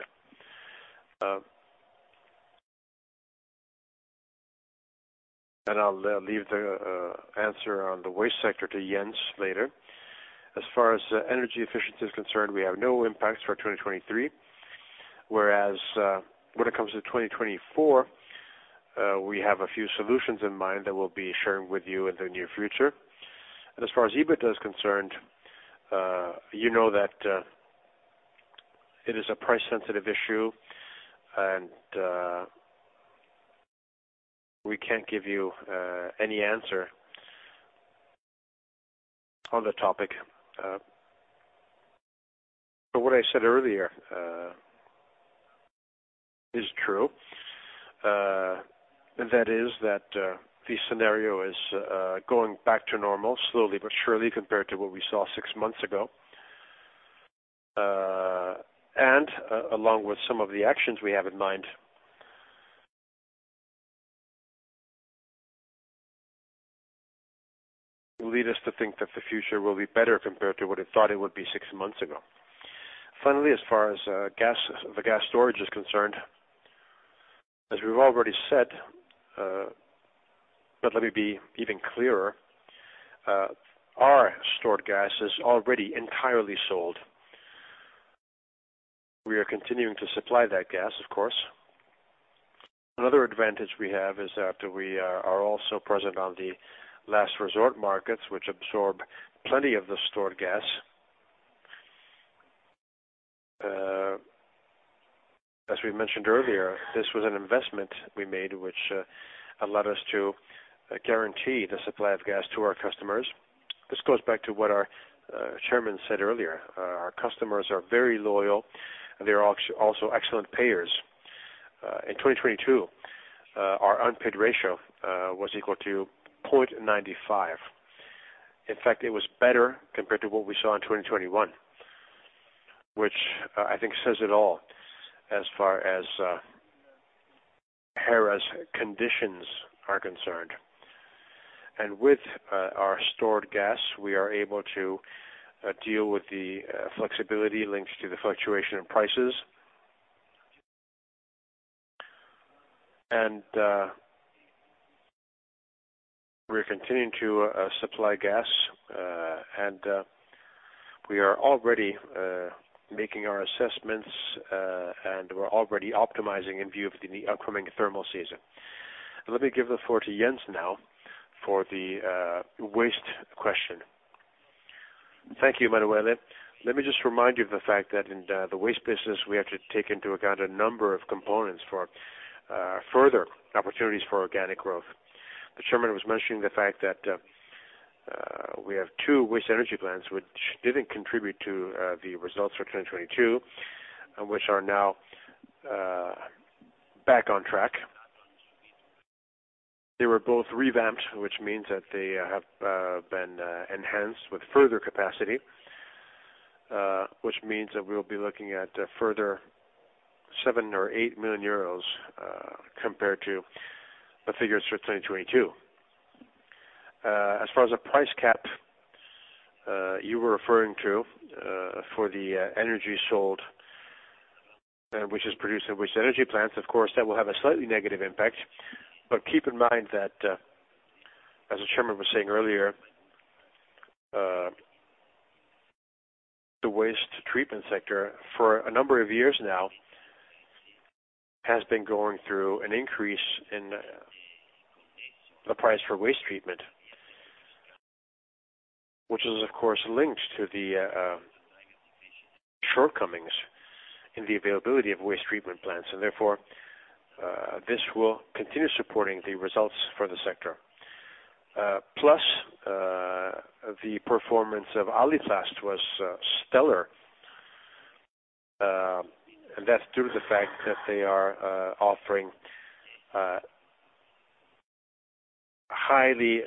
And I'll leave the answer on the waste sector to Jens later. As far as energy efficiency is concerned, we have no impacts for 2023, whereas when it comes to 2024, we have a few solutions in mind that we'll be sharing with you in the near future. As far as EBITDA is concerned, you know that it is a price-sensitive issue, and we can't give you any answer on the topic. What I said earlier is true. Along with some of the actions we have in mind. Lead us to think that the future will be better compared to what it thought it would be six months ago. Finally, as far as gas, the gas storage is concerned, as we've already said, but let me be even clearer, our stored gas is already entirely sold. We are continuing to supply that gas, of course. Another advantage we have is that we are also present on the last resort markets, which absorb plenty of the stored gas. As we mentioned earlier, this was an investment we made which allowed us to guarantee the supply of gas to our customers. This goes back to what our chairman said earlier. Our customers are very loyal, and they are also excellent payers. In 2022, our unpaid ratio was equal to 0.95. In fact, it was better compared to what we saw in 2021, which I think says it all as far as Hera's conditions are concerned. With our stored gas, we are able to deal with the flexibility linked to the fluctuation in prices. We're continuing to supply gas, and we are already making our assessments, and we're already optimizing in view of the upcoming thermal season. Let me give the floor to Jens now for the waste question. Thank you, Emanuele. Let me just remind you of the fact that in the waste business, we have to take into account a number of components for further opportunities for organic growth. The chairman was mentioning the fact that we have two waste energy plants which didn't contribute to the results for 2022, which are now back on track. They were both revamped, which means that they have been enhanced with further capacity, which means that we will be looking at a further 7 million-8 million euros compared to the figures for 2022. As far as the price cap you were referring to, for the energy sold, which is produced in waste energy plants, of course, that will have a slightly negative impact. Keep in mind that, as the Chairman was saying earlier, the waste treatment sector, for a number of years now, has been going through an increase in the price for waste treatment, which is of course, linked to the shortcomings in the availability of waste treatment plants. Therefore, this will continue supporting the results for the sector. Plus, the performance of Aliplast was stellar. That's due to the fact that they are offering highly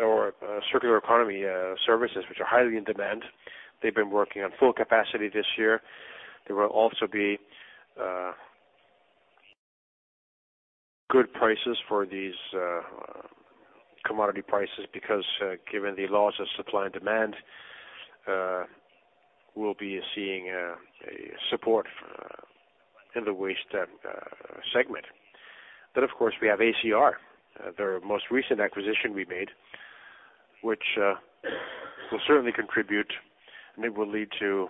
or circular economy services which are highly in demand. They've been working on full capacity this year. There will also be good prices for these commodity prices, because given the laws of supply and demand, we'll be seeing a support in the waste segment. Of course, we have ACR, the most recent acquisition we made, which will certainly contribute, and it will lead to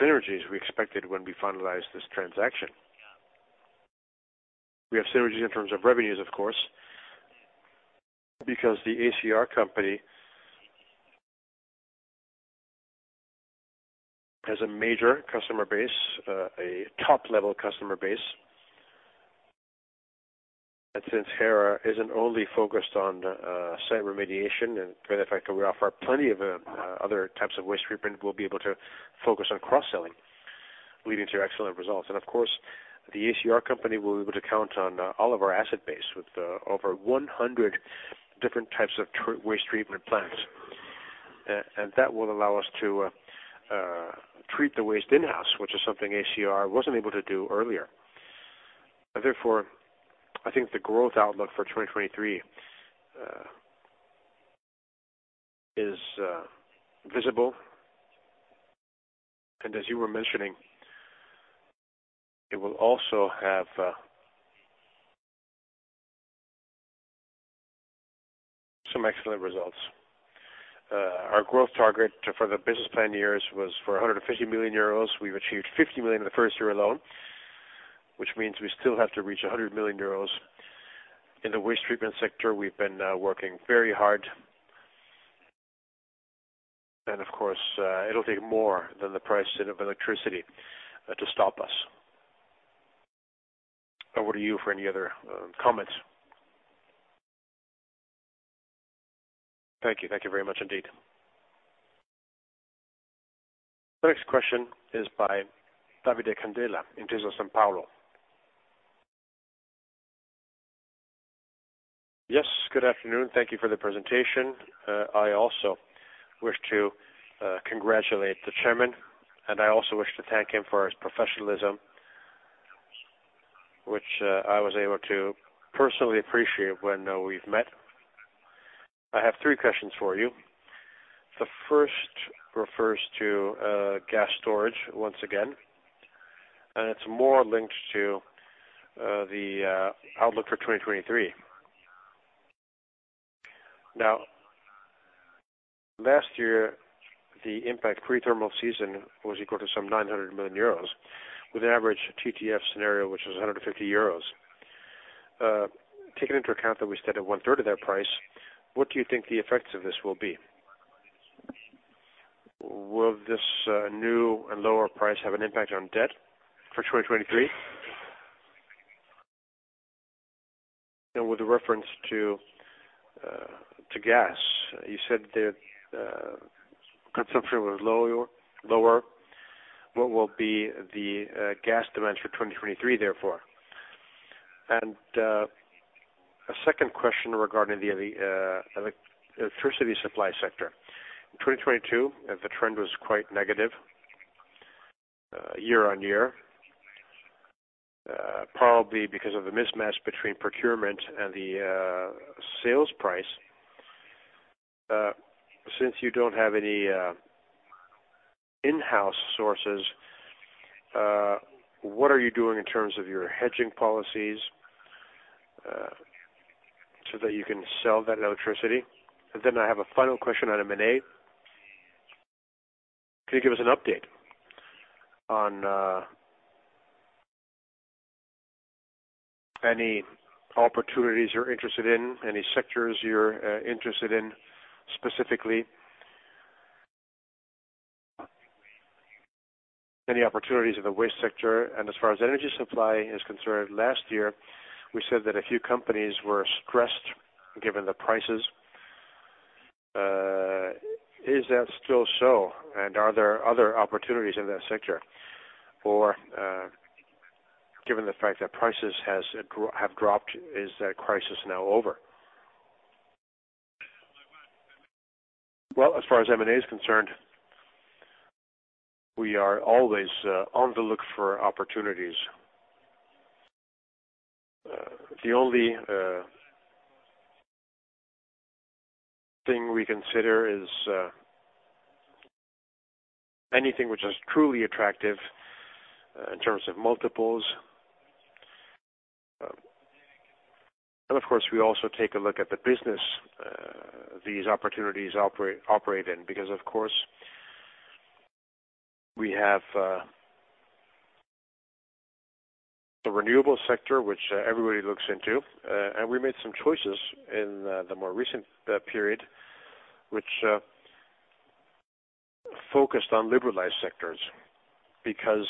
synergies we expected when we finalized this transaction. We have synergies in terms of revenues, of course, because the ACR company has a major customer base, a top-level customer base. Since Hera isn't only focused on site remediation, and matter of fact, we offer plenty of other types of waste treatment, we'll be able to focus on cross-selling, leading to excellent results. Of course, the ACR company will be able to count on all of our asset base with over 100 different types of waste treatment plants. And that will allow us to treat the waste in-house, which is something ACR wasn't able to do earlier. Therefore, I think the growth outlook for 2023 is visible. As you were mentioning, it will also have some excellent results. Our growth target for the business plan years was for 150 million euros. We've achieved 50 million in the first year alone, which means we still have to reach 100 million euros. In the waste treatment sector, we've been working very hard. Of course, it'll take more than the price of electricity to stop us. Over to you for any other comments. Thank you. Thank you very much indeed. The next question is by Davide Candela, Intesa Sanpaolo. Yes. Good afternoon. Thank you for the presentation. I also wish to congratulate the chairman, and I also wish to thank him for his professionalism, which I was able to personally appreciate when we've met. I have three questions for you. The first refers to gas storage once again, and it's more linked to the outlook for 2023. Now, last year, the impact pre-thermal season was equal to some 900 million euros with an average TTF scenario, which was 150 euros. Taking into account that we stayed at one-third of that price, what do you think the effects of this will be? Will this new and lower price have an impact on debt for 2023? Now with reference to gas, you said that consumption was lower. What will be the gas demands for 2023, therefore? A second question regarding the electricity supply sector. In 2022, if the trend was quite negative year-on-year, probably because of the mismatch between procurement and the sales price. Since you don't have any in-house sources, what are you doing in terms of your hedging policies so that you can sell that electricity? Then I have a final question on M&A. Can you give us an update on any opportunities you're interested in, any sectors you're interested in specifically? Any opportunities in the waste sector? As far as energy supply is concerned, last year, we said that a few companies were stressed given the prices. Is that still so, and are there other opportunities in that sector? Given the fact that prices have dropped, is that crisis now over? As far as M&A is concerned, we are always on the look for opportunities. The only thing we consider is anything which is truly attractive in terms of multiples. Of course, we also take a look at the business these opportunities operate in because, of course, we have the renewable sector, which everybody looks into. We made some choices in the more recent period, which focused on liberalized sectors. Because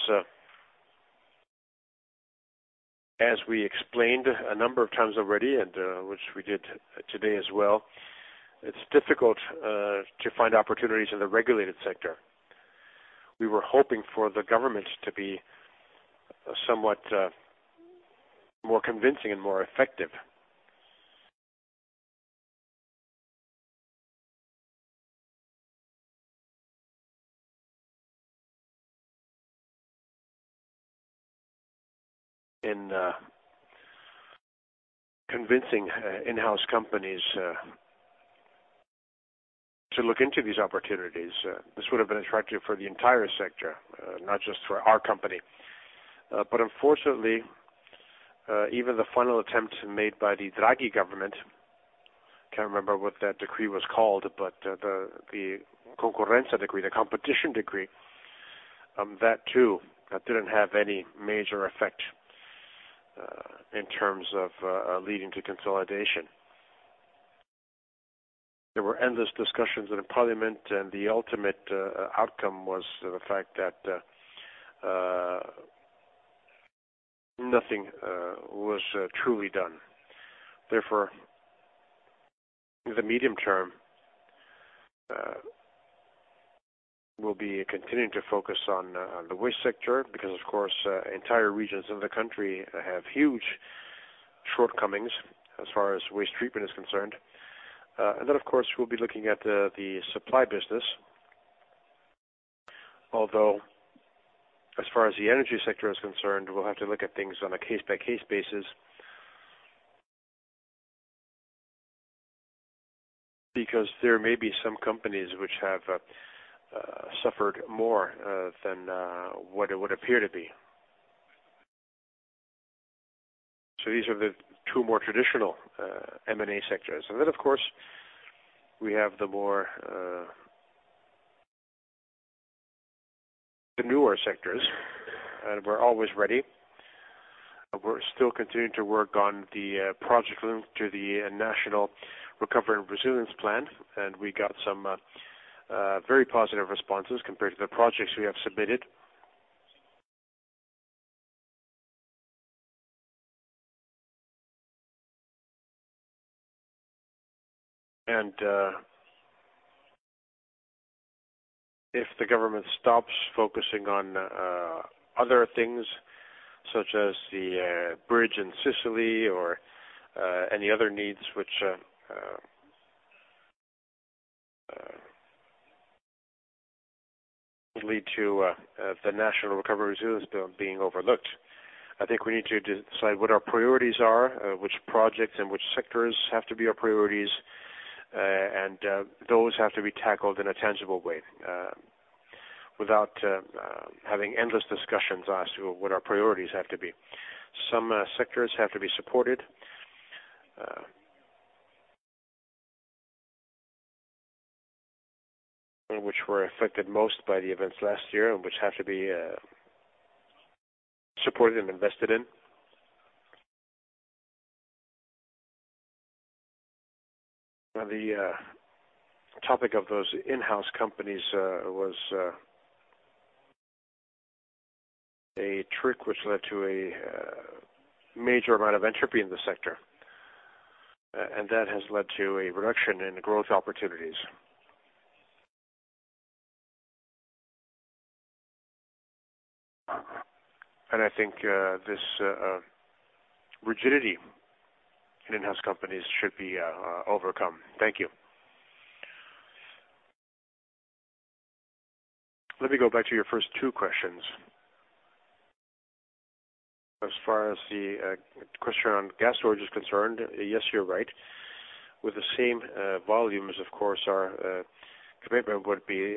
as we explained a number of times already, and which we did today as well, it's difficult to find opportunities in the regulated sector. We were hoping for the governments to be somewhat more convincing and more effective in convincing in-house companies to look into these opportunities. This would have been attractive for the entire sector, not just for our company. Unfortunately, even the final attempt made by the Draghi government, can't remember what that decree was called, but the concorrenza decree, the competition decree, that too, that didn't have any major effect in terms of leading to consolidation. There were endless discussions in the parliament, and the ultimate outcome was the fact that nothing was truly done. Therefore, in the medium term, we'll be continuing to focus on the waste sector because, of course, entire regions of the country have huge shortcomings as far as waste treatment is concerned. Of course, we'll be looking at the supply business. Although, as far as the energy sector is concerned, we'll have to look at things on a case-by-case basis because there may be some companies which have suffered more than what it would appear to be. These are the two more traditional M&A sectors. Of course, we have the more the newer sectors, and we're always ready. We're still continuing to work on the project linked to the National Recovery and Resilience Plan, and we got some very positive responses compared to the projects we have submitted. If the government stops focusing on other things such as the bridge in Sicily or any other needs which lead to the National Recovery and Resilience bill being overlooked. I think we need to decide what our priorities are, which projects and which sectors have to be our priorities. Those have to be tackled in a tangible way, without having endless discussions as to what our priorities have to be. Some sectors have to be supported, which were affected most by the events last year, and which have to be supported and invested in. On the topic of those in-house companies, was a trick which led to a major amount of entropy in the sector, and that has led to a reduction in the growth opportunities. I think this rigidity in in-house companies should be overcome. Thank you. Let me go back to your first two questions. As far as the question on gas storage is concerned, yes, you're right. With the same volumes, of course, our commitment would be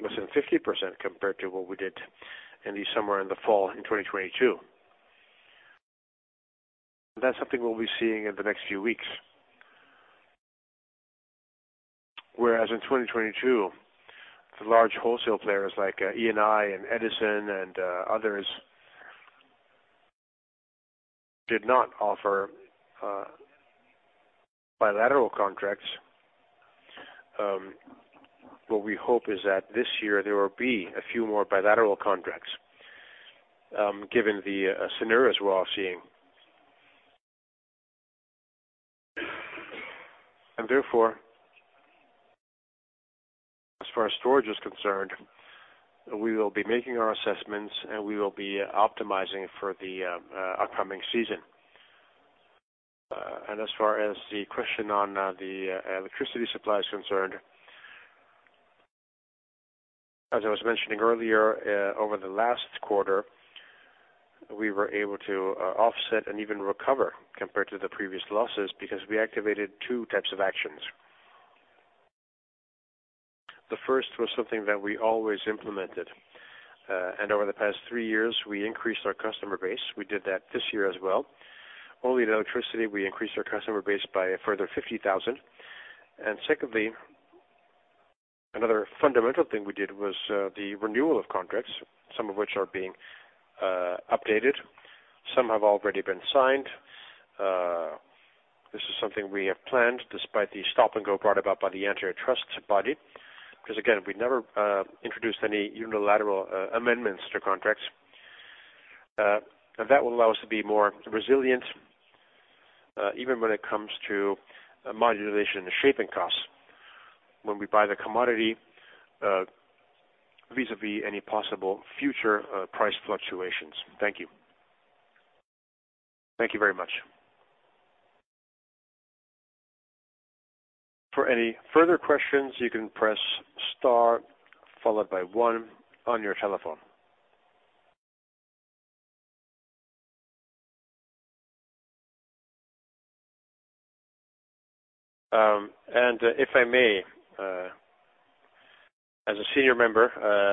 less than 50% compared to what we did in the summer and the fall in 2022. That's something we'll be seeing in the next few weeks. Whereas in 2022, the large wholesale players like Eni and Edison and others did not offer bilateral contracts. What we hope is that this year there will be a few more bilateral contracts, given the scenarios we're all seeing. Therefore, as far as storage is concerned, we will be making our assessments, and we will be optimizing for the upcoming season. As far as the question on the electricity supply is concerned, as I was mentioning earlier, over the last quarter, we were able to offset and even recover compared to the previous losses because we activated two types of actions. The first was something that we always implemented, and over the past three years, we increased our customer base. We did that this year as well. Only in electricity, we increased our customer base by a further 50,000. Secondly, another fundamental thing we did was the renewal of contracts, some of which are being updated. Some have already been signed. This is something we have planned despite the stop-and-go brought about by the antitrust body, because again, we never introduced any unilateral amendments to contracts. That will allow us to be more resilient, even when it comes to modulation and shaping costs when we buy the commodity, vis-a-vis any possible future price fluctuations. Thank you. Thank you very much. For any further questions, you can press star followed by one on your telephone. If I may, as a senior member,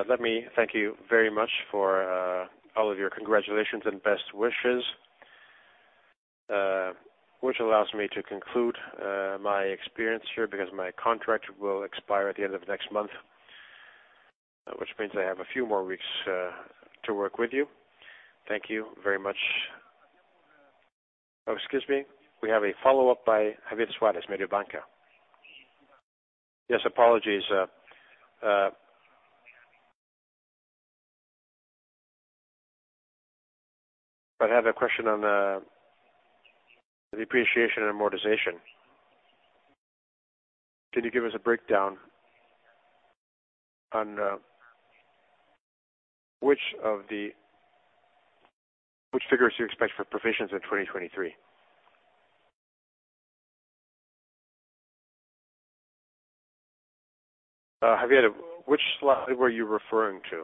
let me thank you very much for all of your congratulations and best wishes, which allows me to conclude my experience here because my contract will expire at the end of next month, which means I have a few more weeks to work with you. Thank you very much. Excuse me. We have a follow-up by Javier Suárez, Mediobanca. Yes, apologies. I have a question on the depreciation and amortization. Can you give us a breakdown on which figures you expect for provisions in 2023? Javier, which slide were you referring to?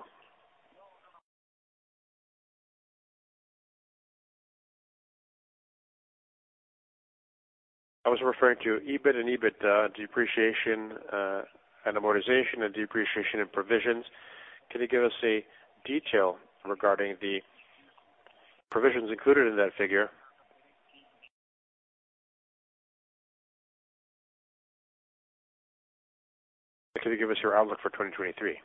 I was referring to EBIT and depreciation, and amortization and depreciation and provisions. Can you give us a detail regarding the provisions included in that figure? Can you give us your outlook for 2023?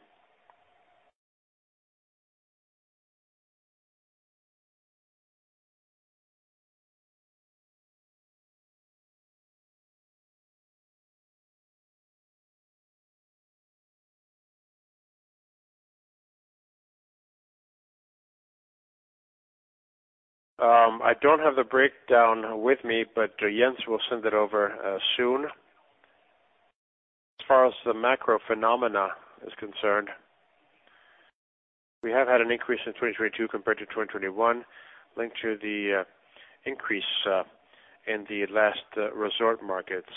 I don't have the breakdown with me, but Jens will send it over soon. As far as the macro phenomena is concerned, we have had an increase in 2022 compared to 2021, linked to the increase in the last resort markets.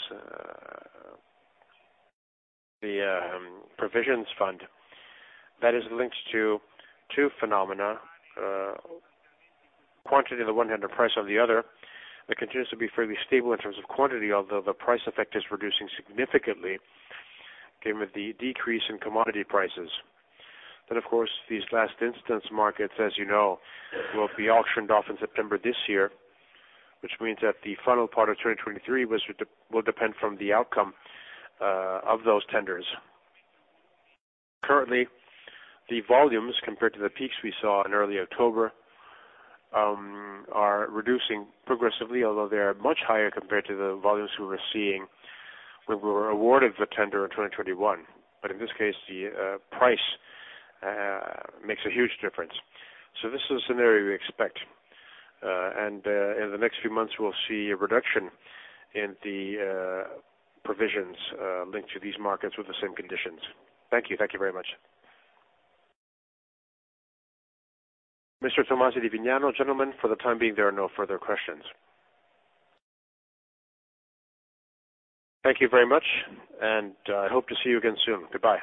The provisions fund, that is linked to two phenomena. Quantity on the one hand, price on the other. It continues to be fairly stable in terms of quantity, although the price effect is reducing significantly given the decrease in commodity prices. Of course, these last instance markets, as you know, will be auctioned off in September this year, which means that the final part of 2023 will depend from the outcome of those tenders. Currently, the volumes, compared to the peaks we saw in early October, are reducing progressively, although they are much higher compared to the volumes we were seeing when we were awarded the tender in 2021. In this case, the price makes a huge difference. This is a scenario we expect. In the next few months, we'll see a reduction in the provisions linked to these markets with the same conditions. Thank you. Thank you very much. Mr. Tomaso Di Vignano, gentlemen, for the time being, there are no further questions. Thank you very much, and I hope to see you again soon. Goodbye.